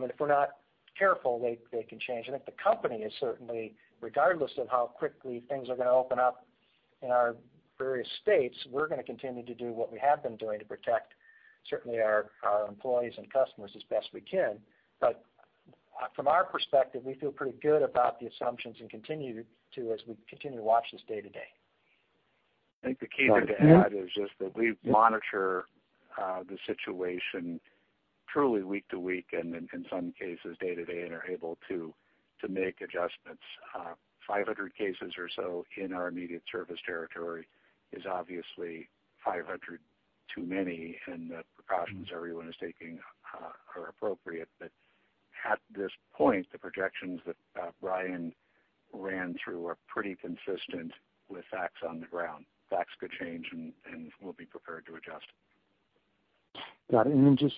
If we're not careful, they can change. I think the company is certainly, regardless of how quickly things are going to open up in our various states, we're going to continue to do what we have been doing to protect certainly our employees and customers as best we can. But from our perspective, we feel pretty good about the assumptions and continue to as we continue to watch this day to day. I think the key thing to add is just that we monitor the situation truly week to week and in some cases day-to-day and are able to make adjustments. 500 cases or so in our immediate service territory is obviously 500 too many, and the precautions everyone is taking are appropriate. But at this point, the projections that Brian ran through are pretty consistent with facts on the ground. Facts could change, and we'll be prepared to adjust. Got it. Then just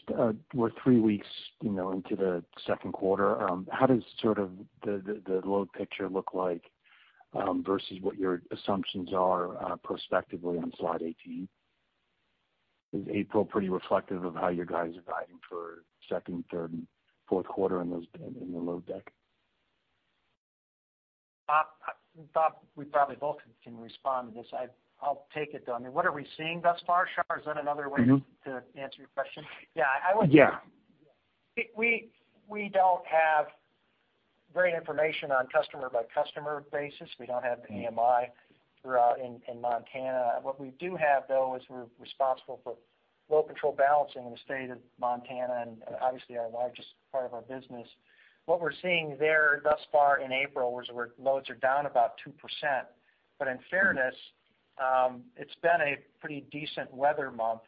we're three weeks into the second quarter. How does sort of the load picture look like versus what your assumptions are prospectively on slide 18? Is April pretty reflective of how your guys are guiding for second, third, and fourth quarter in the load deck? Bob, we probably both can respond to this. I'll take it, though. I mean, what are we seeing thus far? Shar, is that another way to answer your question? Yeah, I would. Yeah We don't have great information on customer-by-customer basis. We don't have the AMI in Montana. What we do have, though, is we're responsible for load control balancing in the state of Montana and obviously our largest part of our business. What we're seeing there thus far in April was where loads are down about 2%. But in fairness, it's been a pretty decent weather month,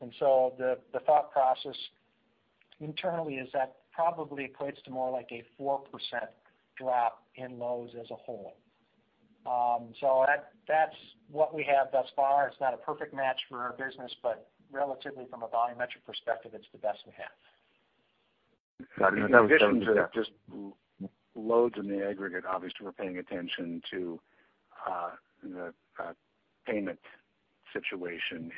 and so the thought process internally is that probably equates to more like a 4% drop in loads as a whole. That's what we have thus far. It's not a perfect match for our business, but relatively from a volumetric perspective, it's the best we have. Got it. In addition to just loads in the aggregate, obviously, we're paying attention to the payment situation.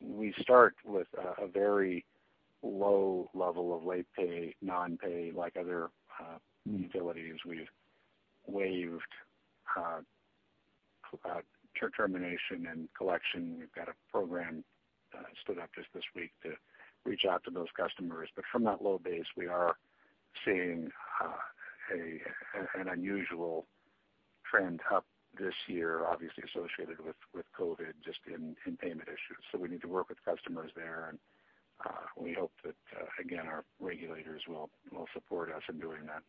We start with a very low level of late pay, non-pay, like other utilities. We've waived termination and collection. We've got a program stood up just this week to reach out to those customers. From that low base, we are. Seeing an unusual trend up this year, obviously associated with COVID-19, just in payment issues. We need to work with customers there. We hope that, again, our regulators will support us in doing that.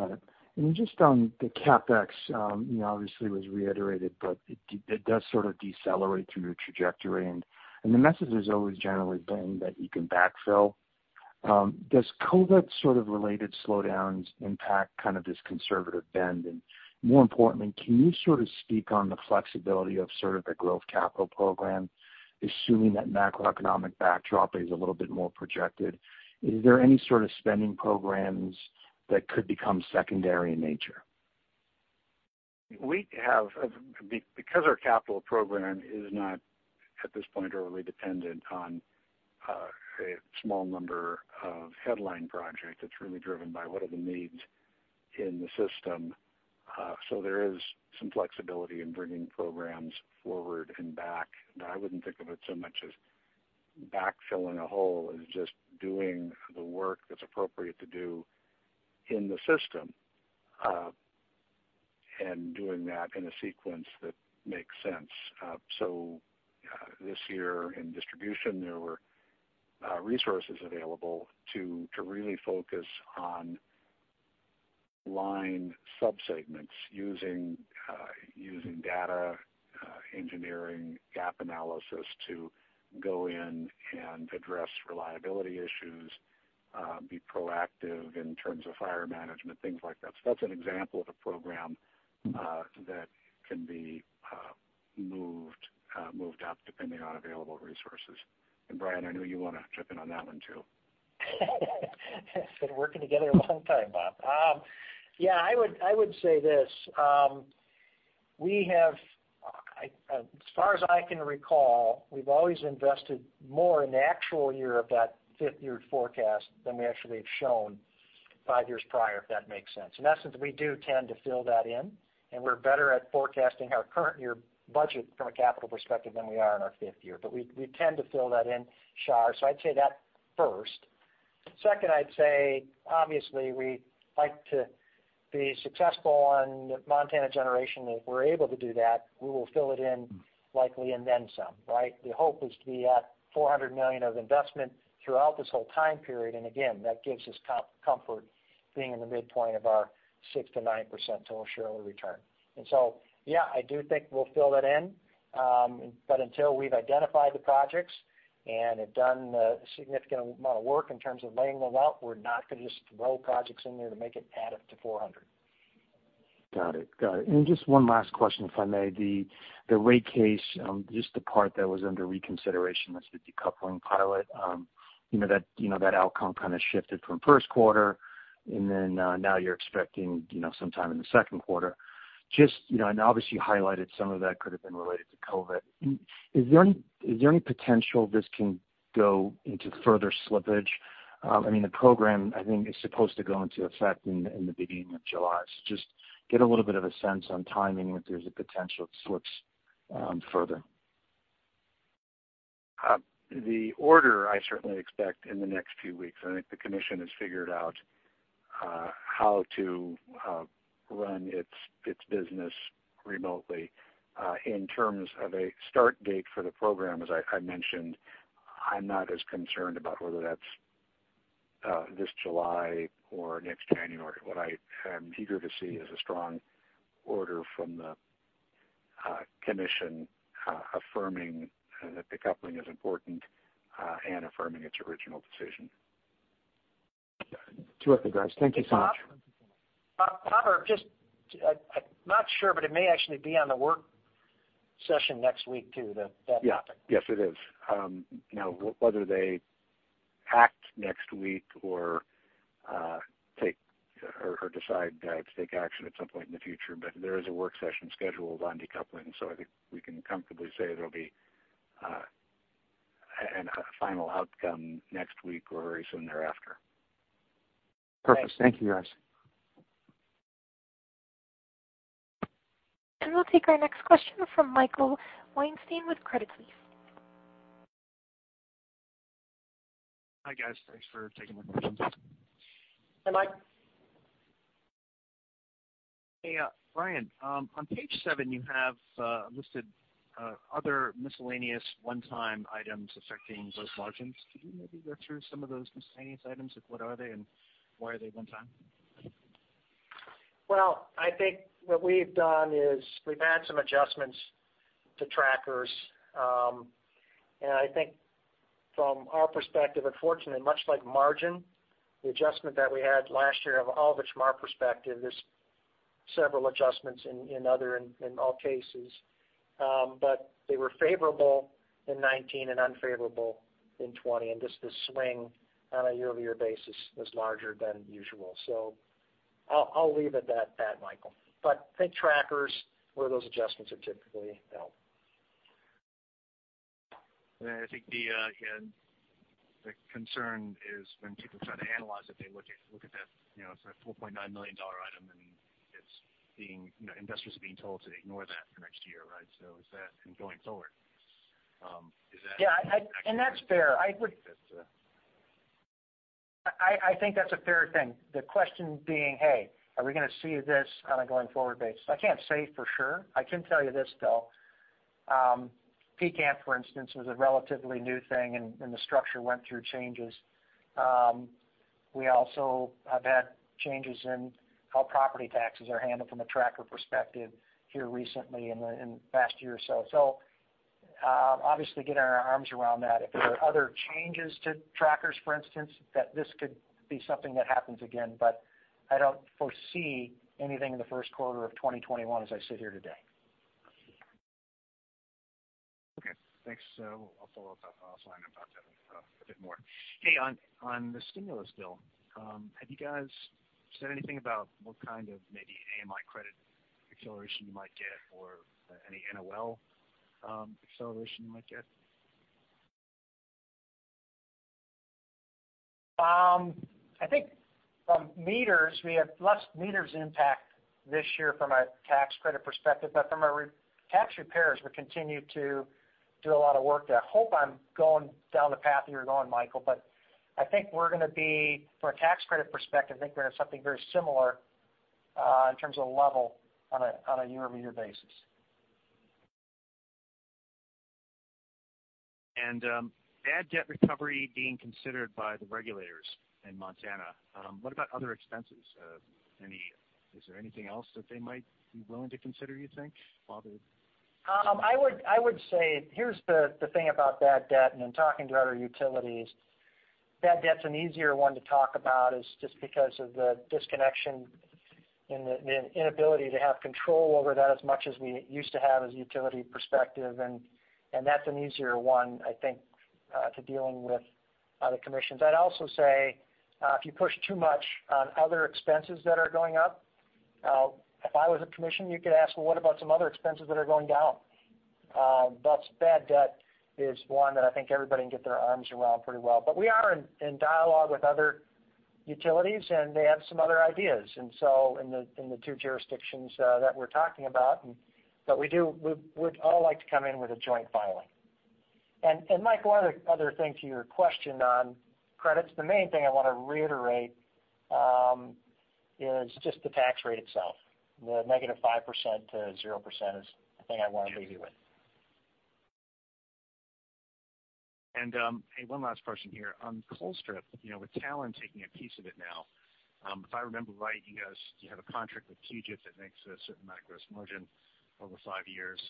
Got it. Just on the CapEx, obviously it was reiterated, but it does sort of decelerate through trajectory. The message is always generally been that you can backfill. Does COVID-19 sort of related slowdowns impact this conservative bend? More importantly, can you sort of speak on the flexibility of sort of the growth capital program, assuming that macroeconomic backdrop is a little bit more projected? Is there any sort of spending programs that could become secondary in nature? Our capital program is not, at this point, overly dependent on a small number of headline projects, it's really driven by what are the needs in the system. There is some flexibility in bringing programs forward and back. But I wouldn't think of it so much as backfilling a hole as just doing the work that's appropriate to do in the system, and doing that in a sequence that makes sense. This year in distribution, there were resources available to really focus on line subsegments using data engineering gap analysis to go in and address reliability issues, be proactive in terms of fire management, things like that. That's an example of a program that can be moved up depending on available resources. Brian, I know you want to chip in on that one, too. We've been working together a long time, Bob. Yeah, I would say this. As far as I can recall, we've always invested more in the actual year of that fifth-year forecast than we actually have shown five years prior, if that makes sense. In essence, we do tend to fill that in, and we're better at forecasting our current year budget from a capital perspective than we are in our fifth year. We tend to fill that in, Shar. I'd say that first. Second, I'd say, obviously, we like to be successful on Montana generation. If we're able to do that, we will fill it in likely and then some, right? The hope is to be at $400 million of investment throughout this whole time period. Again, that gives us comfort being in the midpoint of our 6%-9% total shareholder return. Yeah, I do think we'll fill that in. But until we've identified the projects and have done a significant amount of work in terms of laying them out, we're not going to just throw projects in there to make it add up to $400 million. Got it. Just one last question, if I may. The rate case, just the part that was under reconsideration, that's the decoupling pilot. That outcome kind of shifted from first quarter, now you're expecting sometime in the second quarter. Obviously, you highlighted some of that could have been related to COVID-19. Is there any potential this can go into further slippage? The program, I think, is supposed to go into effect in the beginning of July. Just get a little bit of a sense on timing, if there's a potential it slips further. The order I certainly expect in the next few weeks. I think the Commission has figured out how to run its business remotely. In terms of a start date for the program, as I mentioned, I'm not as concerned about whether that's this July or next January. What I am eager to see is a strong order from the commission affirming that decoupling is important and affirming its original decision. Terrific, guys. Thank you so much. Hey, Bob, just not sure, but it may actually be on the work session next week, too, that topic. Yeah. Yes, it is. Now, whether they act next week or decide to take action at some point in the future. There is a work session scheduled on decoupling, so I think we can comfortably say there'll be a final outcome next week or very soon thereafter. Perfect. Thank you, guys. We'll take our next question from Michael Weinstein with Credit Suisse. Hi, guys. Thanks for taking my questions. Hi, Michael. Hey, Brian. On page seven, you have listed other miscellaneous one-time items affecting those margins. Could you maybe go through some of those miscellaneous items, like what are they and why are they one time? Well, I think what we've done is we've had some adjustments to trackers. I think from our perspective, unfortunately, much like margin, the adjustment that we had last year of all of it from our perspective, there's several adjustments in other, in all cases. They were favorable in 2019 and unfavorable in 2020, and just the swing on a year-over-year basis was larger than usual. I'll leave it at that, Michael. I think trackers where those adjustments are typically held. I think the concern is when people try to analyze it, they look at that $4.9 million item, investors are being told to ignore that for next year, right? Is that going forward? That's fair. I think that's a fair thing. The question being, hey, are we going to see this on a going forward basis? I can't say for sure. I can tell you this, though. PCCAM, for instance, was a relatively new thing, the structure went through changes. We also have had changes in how property taxes are handled from a tracker perspective here recently in the past year or so. Obviously getting our arms around that. If there are other changes to trackers, for instance, that this could be something that happens again. I don't foresee anything in the first quarter of 2021 as I sit here today. Okay, thanks. I'll follow up. I'll sign up talk to a bit more. Hey, on the stimulus bill, have you guys said anything about what kind of maybe AMI credit acceleration you might get or any NOL acceleration you might get? I think from meters, we have less meters impact this year from a tax credit perspective. From a tax repairs, we continue to do a lot of work there. I hope I'm going down the path you're going, Michael. But I think we're going to be, from a tax credit perspective, I think we're going to have something very similar, in terms of level on a year-over-year basis. Bad debt recovery being considered by the regulators in Montana. What about other expenses? Is there anything else that they might be willing to consider, you think, Bob? I would say, here's the thing about bad debt and in talking to other utilities. Bad debt's an easier one to talk about is just because of the disconnection and the inability to have control over that as much as we used to have as a utility perspective, and that's an easier one, I think, to dealing with other commissions. I'd also say, if you push too much on other expenses that are going up, if I was a commission, you could ask, well, what about some other expenses that are going down? Bad debt is one that I think everybody can get their arms around pretty well. We are in dialogue with other utilities, and they have some other ideas. In the two jurisdictions that we're talking about. We'd all like to come in with a joint filing. Michael, the other thing to your question on credits, the main thing I want to reiterate is just the tax rate itself. The -5%-0% is the thing I'd want to leave you with. Hey, one last question here. On Colstrip, with Talen taking a piece of it now, if I remember right, you guys, you have a contract with TGIP that makes a certain amount of gross margin over five years,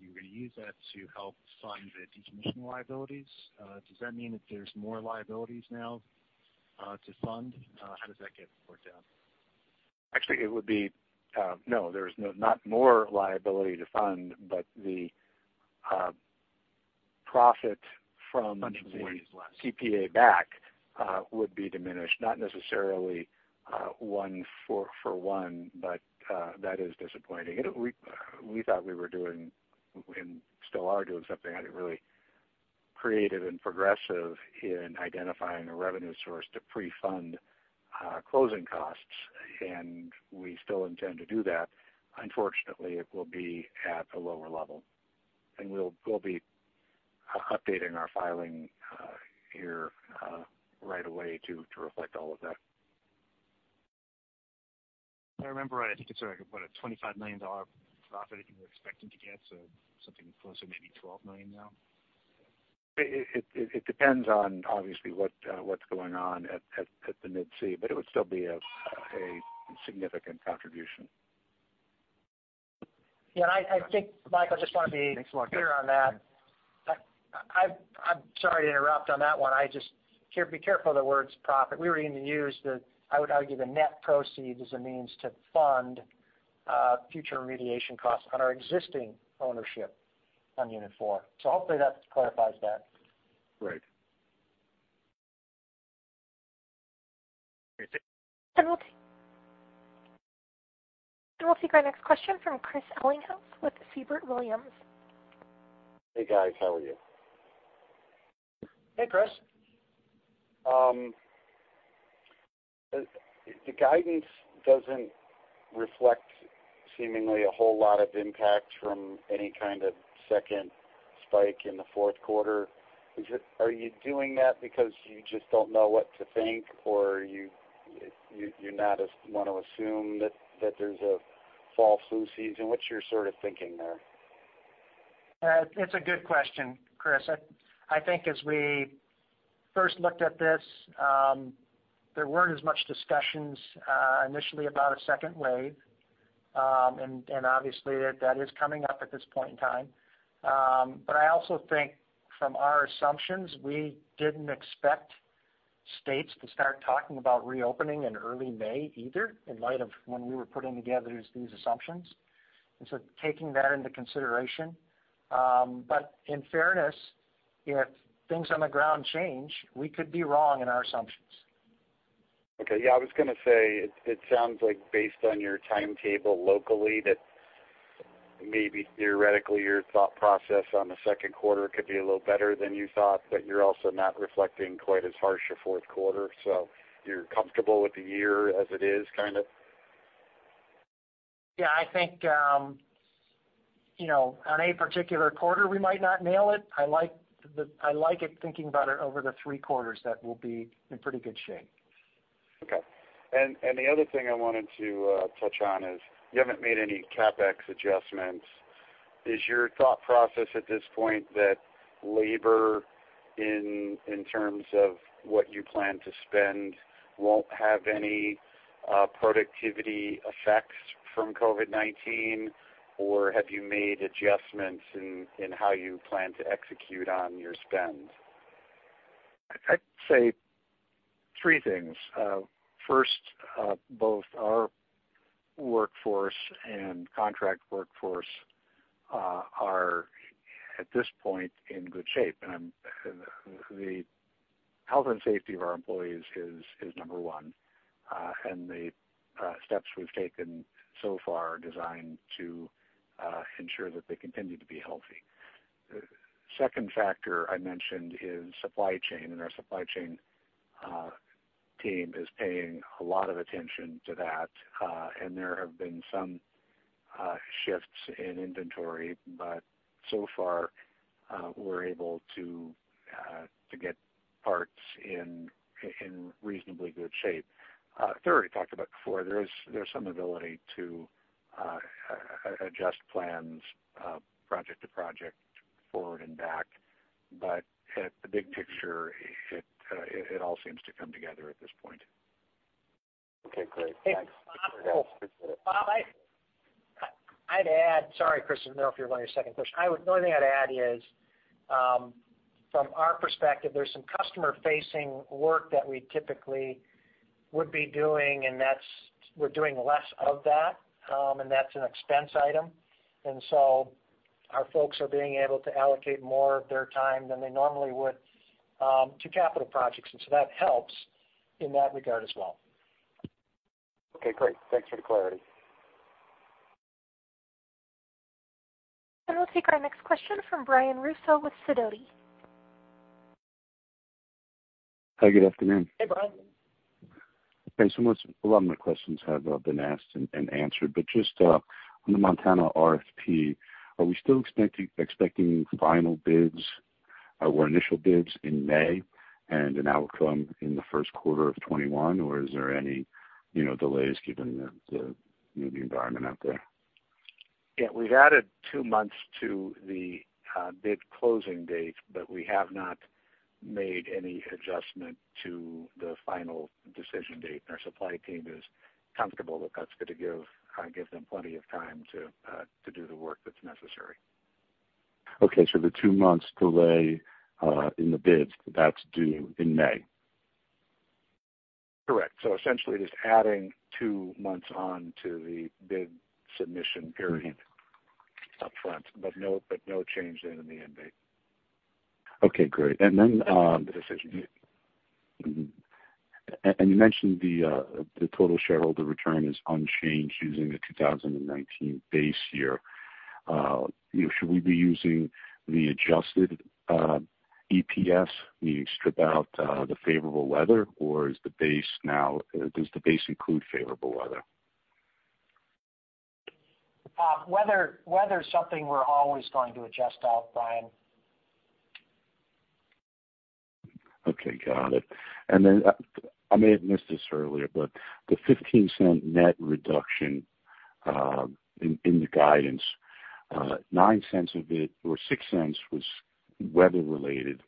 you were going to use that to help fund the decommissioning liabilities. Does that mean that there's more liabilities now to fund? How does that get worked out? Actually, it would be, no, there's not more liability to fund, but the profit. Funding for it is less. the PPA back would be diminished. Not necessarily one for one, but that is disappointing. We thought we were doing, and still are doing something really creative and progressive in identifying a revenue source to pre-fund closing costs, and we still intend to do that. Unfortunately, it will be at a lower level. We'll be updating our filing here right away to reflect all of that. If I remember right, I think it's around, what, a $25 million profit you were expecting to get, so something closer to maybe $12 million now? It depends on obviously what's going on at the Mid-C, but it would still be a significant contribution. Yeah, I think Michael. Thanks a lot. I just want to be clearer on that. I'm sorry to interrupt on that one. I just be careful of the words profit. We were going to use the, I would argue, the net proceeds as a means to fund future remediation costs on our existing ownership on unit four. Hopefully that clarifies that. Great, thank you. We'll take our next question from Chris Ellinghaus with Siebert Williams. Hey, guys. How are you? Hey, Chris. The guidance doesn't reflect seemingly a whole lot of impact from any kind of second spike in the fourth quarter. Are you doing that because you just don't know what to think, or you're not want to assume that there's a fall flu season? What's your sort of thinking there? It's a good question, Chris. I think as we first looked at this, there weren't as much discussions initially about a second wave. Obviously that is coming up at this point in time. But I also think from our assumptions, we didn't expect states to start talking about reopening in early May either, in light of when we were putting together these assumptions. We are taking that into consideration. In fairness, if things on the ground change, we could be wrong in our assumptions. Okay. Yeah, I was going to say, it sounds like based on your timetable locally that, maybe theoretically, your thought process on the second quarter could be a little better than you thought, but you're also not reflecting quite as harsh a fourth quarter. You're comfortable with the year as it is kind of? Yeah, I think on any particular quarter, we might not nail it. I like it thinking about it over the three quarters that we'll be in pretty good shape. Okay. The other thing I wanted to touch on is you haven't made any CapEx adjustments. Is your thought process at this point that labor, in terms of what you plan to spend, won't have any productivity effects from COVID-19? Or have you made adjustments in how you plan to execute on your spend? I'd say three things. First, both our workforce and contract workforce are, at this point, in good shape. The health and safety of our employees is number one. The steps we've taken so far are designed to ensure that they continue to be healthy. Second factor I mentioned is supply chain, and our supply chain team is paying a lot of attention to that. There have been some shifts in inventory, but so far, we're able to get parts in reasonably good shape. Third, we talked about before, there's some ability to adjust plans project to project forward and back, but at the big picture, it all seems to come together at this point. Okay, great. Thanks. Hey, Bob. Thanks for that. Bob, I'd add Sorry, Chris, I don't know if you're going your second question. The only thing I'd add is, from our perspective, there's some customer-facing work that we typically would be doing, and we're doing less of that. That's an expense item. Our folks are being able to allocate more of their time than they normally would to capital projects, and so that helps in that regard as well. Okay, great. Thanks for the clarity. We'll take our next question from Brian Russo with Sidoti. Hi, good afternoon. Hey, Brian. Okay. A lot of my questions have been asked and answered, but just on the Montana RFP, are we still expecting final bids or initial bids in May and an outcome in the first quarter of 2021? Is there any delays given the new environment out there? Yeah. We've added two months to the bid closing date, but we have not made any adjustment to the final decision date, and our supply team is comfortable that that's going to give them plenty of time to do the work that's necessary. Okay. The two months delay in the bids, that's due in May? Correct. Essentially just adding two months on to the bid submission period upfront, but no change then in the end date. Okay, great. Then. I mean the decision date. You mentioned the total shareholder return is unchanged using the 2019 base year. Should we be using the adjusted EPS? We strip out the favorable weather, or does the base include favorable weather? Weather is something we're always going to adjust out, Brian. Okay, got it. I may have missed this earlier, but the $0.15 net reduction in the guidance, $0.06 was weather-related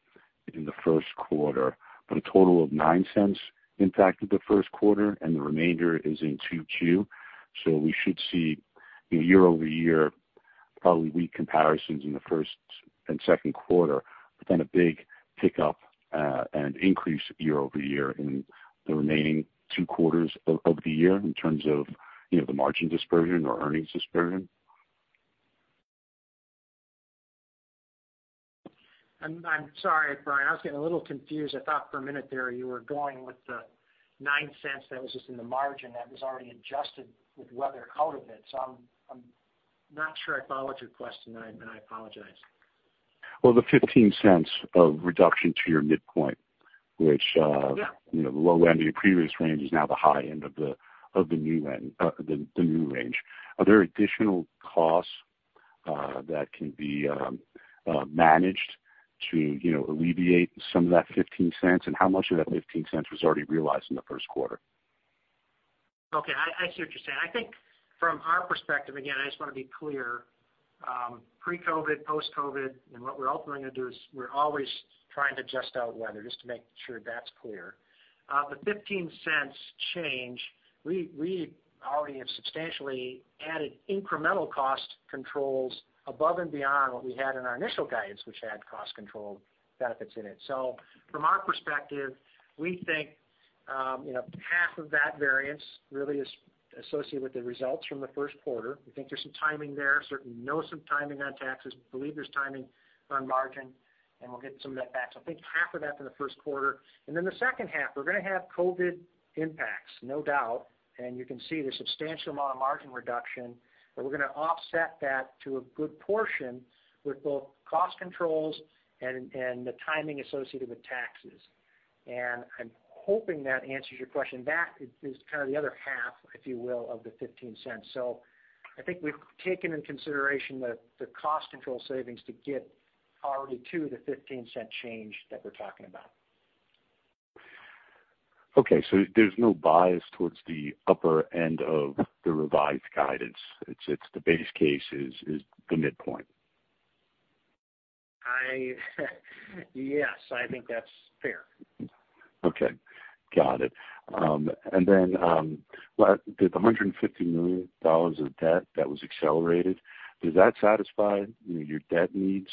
in the first quarter, but a total of $0.09 impacted the first quarter and the remainder is in 2Q. We should see year-over-year probably weak comparisons in the first and second quarter, but then a big pickup and increase year-over-year in the remaining two quarters of the year in terms of the margin dispersion or earnings dispersion? I'm sorry, Brian. I was getting a little confused. I thought for a minute there you were going with the $0.09 that was just in the margin that was already adjusted with weather out of it. I'm not sure I follow your question, and I apologize. Well, the $0.15 of reduction to your midpoint. Yeah the low end of your previous range is now the high end of the new range. Are there additional costs that can be managed to alleviate some of that $0.15? How much of that $0.15 was already realized in the first quarter? Okay. I see what you're saying. I think from our perspective, again, I just want to be clear, pre-COVID-19 post-COVID-19, and what we're also going to do is we're always trying to adjust out weather, just to make sure that's clear. The $0.15 change, we already have substantially added incremental cost controls above and beyond what we had in our initial guidance, which had cost control benefits in it. From our perspective, we think half of that variance really is associated with the results from the first quarter. We think there's some timing there, certainly know some timing on taxes, believe there's timing on margin, and we'll get some of that back. I think half of that's in the first quarter. Then the second half, we're going to have COVID-19 impacts, no doubt. You can see the substantial amount of margin reduction, but we're going to offset that to a good portion with both cost controls and the timing associated with taxes. I'm hoping that answers your question. That is kind of the other half, if you will, of the $0.15. I think we've taken into consideration the cost control savings to get already to the $0.15 change that we're talking about. There's no bias towards the upper end of the revised guidance. It's the base case is the midpoint. Yes. I think that's fair. Okay. Got it. The $150 million of debt that was accelerated, does that satisfy your debt needs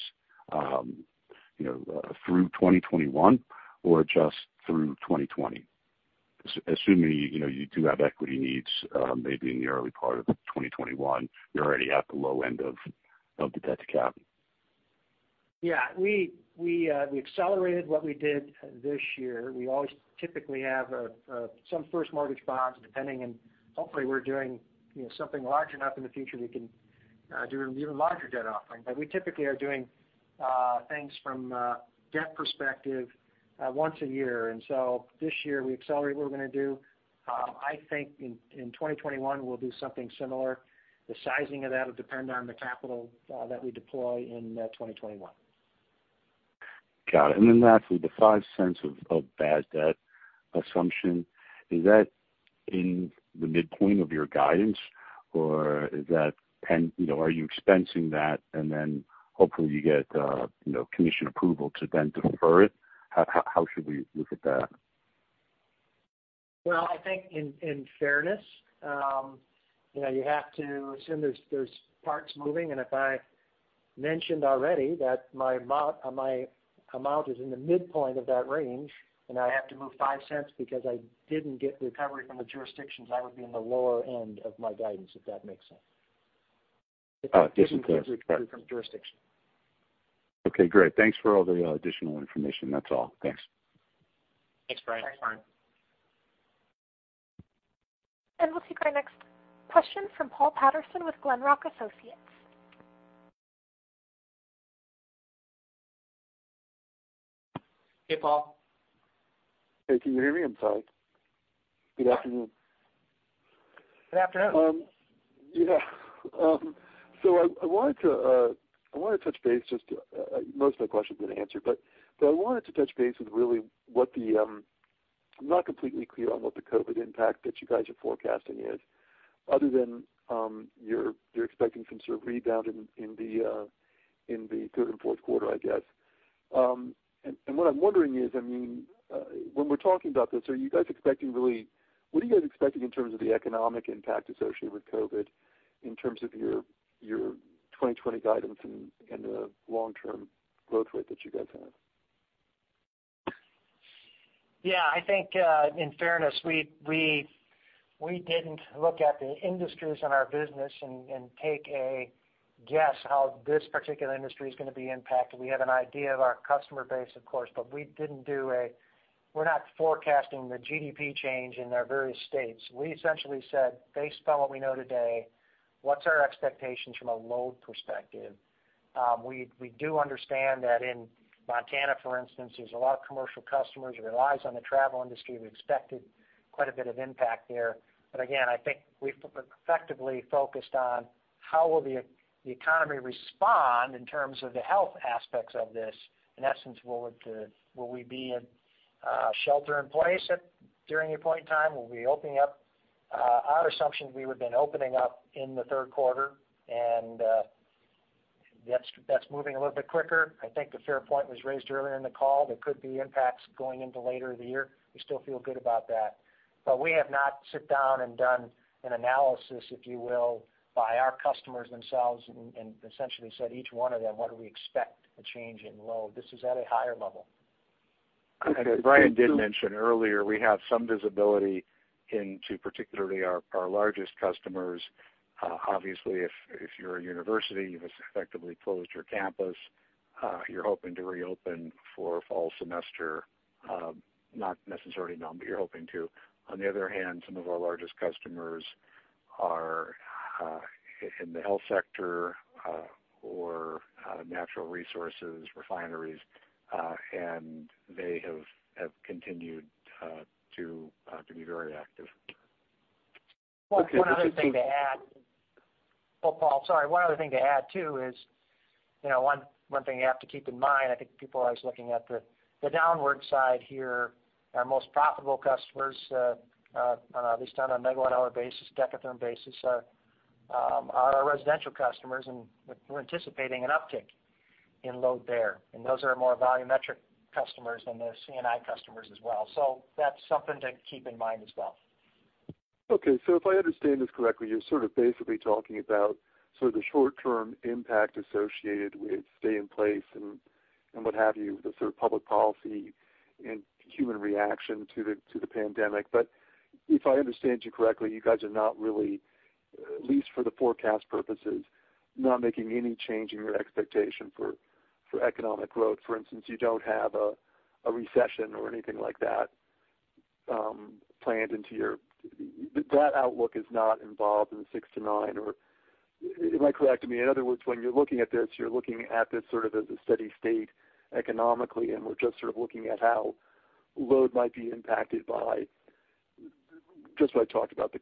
through 2021 or just through 2020? Assuming you do have equity needs maybe in the early part of 2021, you're already at the low end of the debt to cap. Yeah. We accelerated what we did this year. We always typically have some first mortgage bonds depending, and hopefully we're doing something large enough in the future that we can do an even larger debt offering. We typically are doing things from a debt perspective once a year. This year we accelerated what we're going to do. I think in 2021, we'll do something similar. The sizing of that will depend on the capital that we deploy in 2021. Got it. Lastly, the $0.05 of bad debt assumption, is that in the midpoint of your guidance, or are you expensing that and then hopefully you get commission approval to then defer it? How should we look at that? Well, I think in fairness you have to assume there's parts moving, and if I mentioned already that my amount is in the midpoint of that range, and I have to move $0.05 because I didn't get the recovery from the jurisdictions, I would be in the lower end of my guidance, if that makes sense. Yes, it does. If we didn't get the recovery from jurisdiction. Okay, great. Thanks for all the additional information. That's all. Thanks. Thanks, Brian. We'll take our next question from Paul Patterson with Glenrock Associates. Hey, Paul. Hey, can you hear me? I'm sorry. Good afternoon. Good afternoon. Yeah. I wanted to touch base. Most of my questions have been answered, but I wanted to touch base with really, I'm not completely clear on what the COVID-19 impact that you guys are forecasting is other than you're expecting some sort of rebound in the third and fourth quarter, I guess. What I'm wondering is, when we're talking about this, what are you guys expecting in terms of the economic impact associated with COVID-19 in terms of your 2020 guidance and the long-term growth rate that you guys have? Yeah, I think, in fairness, we didn't look at the industries in our business and take a guess how this particular industry is going to be impacted. We have an idea of our customer base, of course, but we're not forecasting the GDP change in their various states. We essentially said, based on what we know today, what's our expectations from a load perspective? We do understand that in Montana, for instance, there's a lot of commercial customers who relies on the travel industry. We expected quite a bit of impact there. Again, I think we effectively focused on how will the economy respond in terms of the health aspects of this. In essence, will we be in shelter in place during a point in time? Will we be opening up? Our assumption is we would've been opening up in the third quarter. That's moving a little bit quicker. I think a fair point was raised earlier in the call. There could be impacts going into later in the year. We still feel good about that. We have not sit down and done an analysis, if you will, by our customers themselves and essentially said each one of them, what do we expect a change in load? This is at a higher level. As Brian did mention earlier, we have some visibility into particularly our largest customers. Obviously, if you're a university, you've effectively closed your campus. You're hoping to reopen for fall semester. Not necessarily known, but you're hoping to. On the other hand, some of our largest customers are in the health sector or natural resources refineries. They have continued to be very active. Okay, But just on. Paul, one other thing to add. Well, Paul, sorry. One other thing to add, too, is one thing you have to keep in mind, I think people are always looking at the downward side here. Our most profitable customers, at least on a megawatt hour basis, dekatherm basis, are our residential customers, and we're anticipating an uptick in load there. Those are more volumetric customers than the C&I customers as well. That's something to keep in mind as well. Okay. If I understand this correctly, you're sort of basically talking about sort of the short-term impact associated with stay in place and what have you, the sort of public policy and human reaction to the pandemic. If I understand you correctly, you guys are not really, at least for the forecast purposes, not making any change in your expectation for economic growth. For instance, you don't have a recession or anything like that planned into your. That outlook is not involved in 6%-9%, or am I correct? In other words, when you're looking at this, you're looking at this sort of as a steady state economically, and we're just sort of looking at how load might be impacted by just what I talked about, the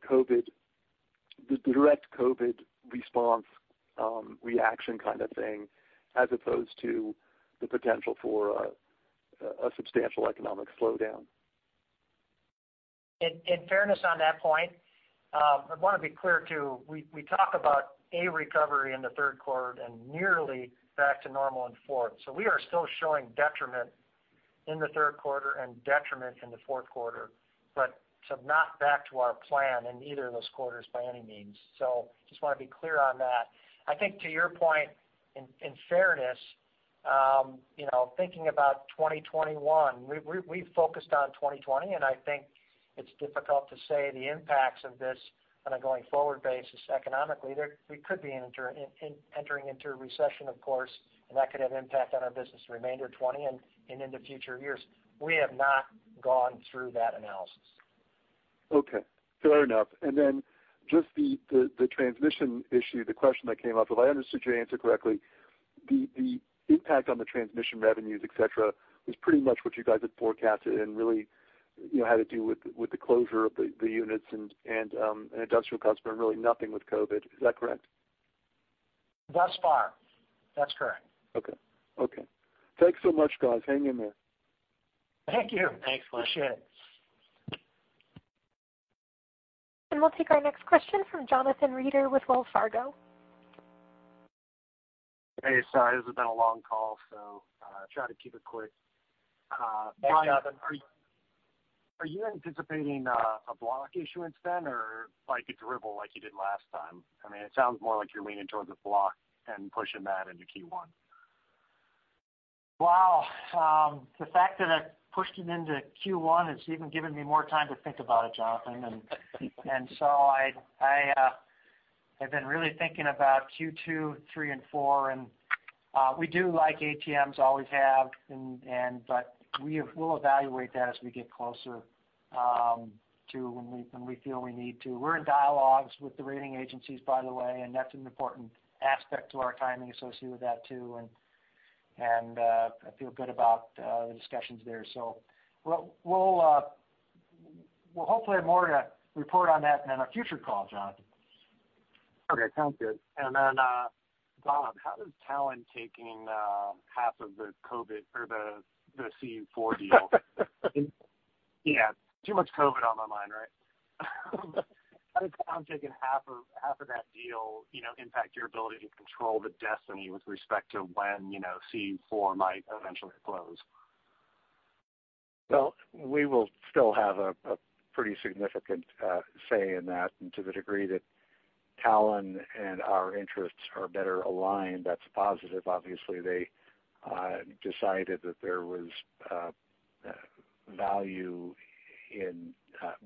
direct COVID-19 response, reaction kind of thing, as opposed to the potential for a substantial economic slowdown. In fairness on that point, I want to be clear too. We talk about a recovery in the third quarter and nearly back to normal in fourth. We are still showing detriment in the third quarter and detriment in the fourth quarter, not back to our plan in either of those quarters by any means. Just want to be clear on that. I think to your point, in fairness, thinking about 2021, we've focused on 2020. I think it's difficult to say the impacts of this on a going forward basis economically. We could be entering into a recession, of course, and that could have impact on our business the remainder of 2020 and into future years. We have not gone through that analysis. Okay, fair enough. Just the transmission issue, the question that came up, if I understood your answer correctly, the impact on the transmission revenues, etc, was pretty much what you guys had forecasted and really, had to do with the closure of the units and an industrial customer, really nothing with COVID. Is that correct? Thus far. That's correct. Okay. Thanks so much, guys. Hang in there. Thank you. Thanks for sure. We'll take our next question from Jonathan Reeder with Wells Fargo. Hey, sorry, this has been a long call, so try to keep it quick. Thanks, Jonathan. Brian, are you anticipating a block issuance then, or like a dribble like you did last time? It sounds more like you're leaning towards a block and pushing that into Q1. Wow. The fact that I pushed it into Q1 has even given me more time to think about it, Jonathan. I've been really thinking about Q2, three, and four, and we do like ATMs, always have, but we'll evaluate that as we get closer to when we feel we need to. We're in dialogues with the rating agencies, by the way, and that's an important aspect to our timing associated with that too. I feel good about the discussions there. We'll hopefully have more to report on that in a future call, Jonathan. Okay, sounds good. Then, Bob, how does Talen taking half of the COVID-19 or C4 deal. Yes, too much COVID on my mind, right? How does Talen taking half of that deal impact your ability to control the destiny with respect to when C4 might eventually close? Well, we will still have a pretty significant say in that. To the degree that Talen and our interests are better aligned, that's a positive. Obviously, they decided that there was value in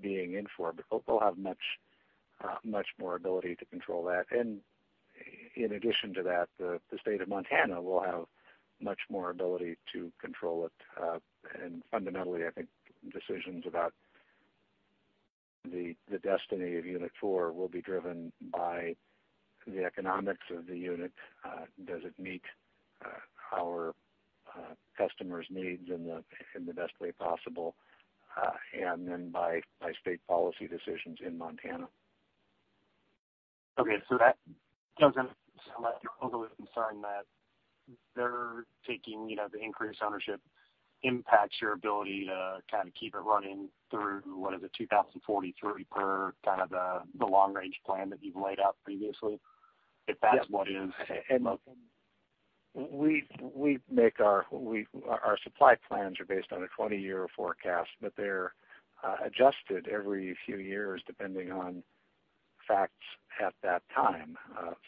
being in for, but they'll have much more ability to control that. In addition to that, the state of Montana will have much more ability to control it. Fundamentally, I think decisions about the destiny of Unit four will be driven by the economics of the unit and by state policy decisions in Montana. Does it meet our customers' needs in the best way possible? That doesn't sound like you're overly concerned that they're taking the increased ownership impacts your ability to kind of keep it running through, what is it, 2043 per kind of the long-range plan that you've laid out previously? We make our supply plans are based on a 20-year forecast, but they're adjusted every few years, depending on facts at that time.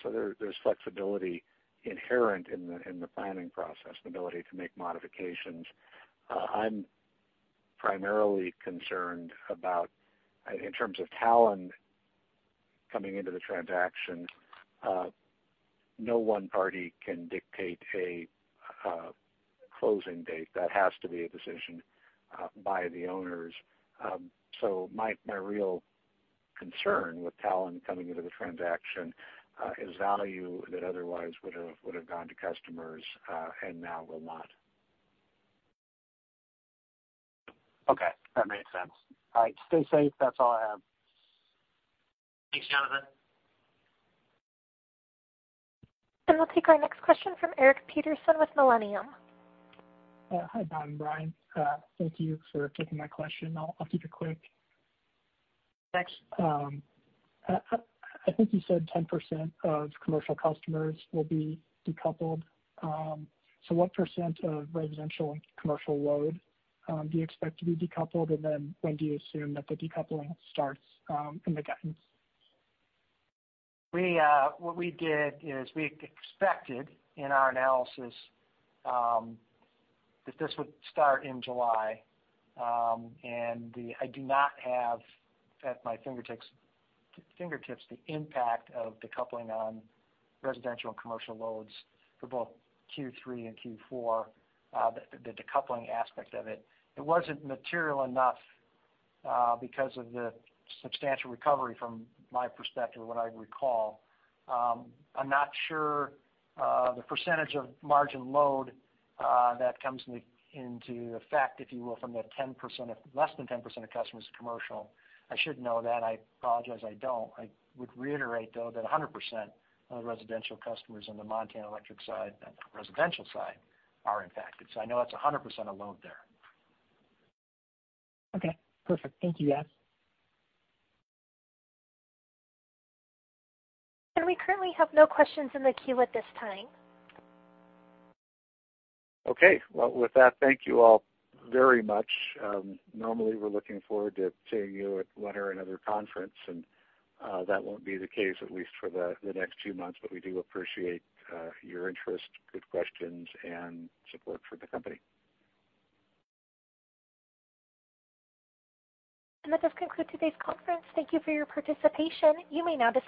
There's flexibility inherent in the planning process, the ability to make modifications. I'm primarily concerned about, in terms of Talen coming into the transaction, no one party can dictate a closing date. That has to be a decision by the owners. My real concern with Talen coming into the transaction is value that otherwise would have gone to customers and now will not. Okay. That made sense. All right. Stay safe. That's all I have. Thanks, Jonathan. We'll take our next question from Eric Peterson with Millennium. Hi, Don, Brian. Thank you for taking my question. I'll keep it quick. Thanks. I think you said 10% of commercial customers will be decoupled. What percent of residential and commercial load do you expect to be decoupled? When do you assume that the decoupling starts in the guidance? What we did is we expected in our analysis that this would start in July. I do not have at my fingertips the impact of decoupling on residential and commercial loads for both Q3 and Q4, the decoupling aspect of it. It wasn't material enough because of the substantial recovery from my perspective, what I recall. I'm not sure the percentage of margin load that comes into effect, if you will, from the less than 10% of customers commercial. I should know that. I apologize, I don't. I would reiterate, though, that 100% of residential customers on the Montana electric side, residential side, are impacted. I know that's 100% of load there. Okay, perfect. Thank you, guys. We currently have no questions in the queue at this time. Okay. Well, with that, thank you all very much. Normally, we're looking forward to seeing you at one or another conference. That won't be the case, at least for the next two months. We do appreciate your interest, good questions, and support for the company. That does conclude today's conference. Thank you for your participation. You may now disconnect.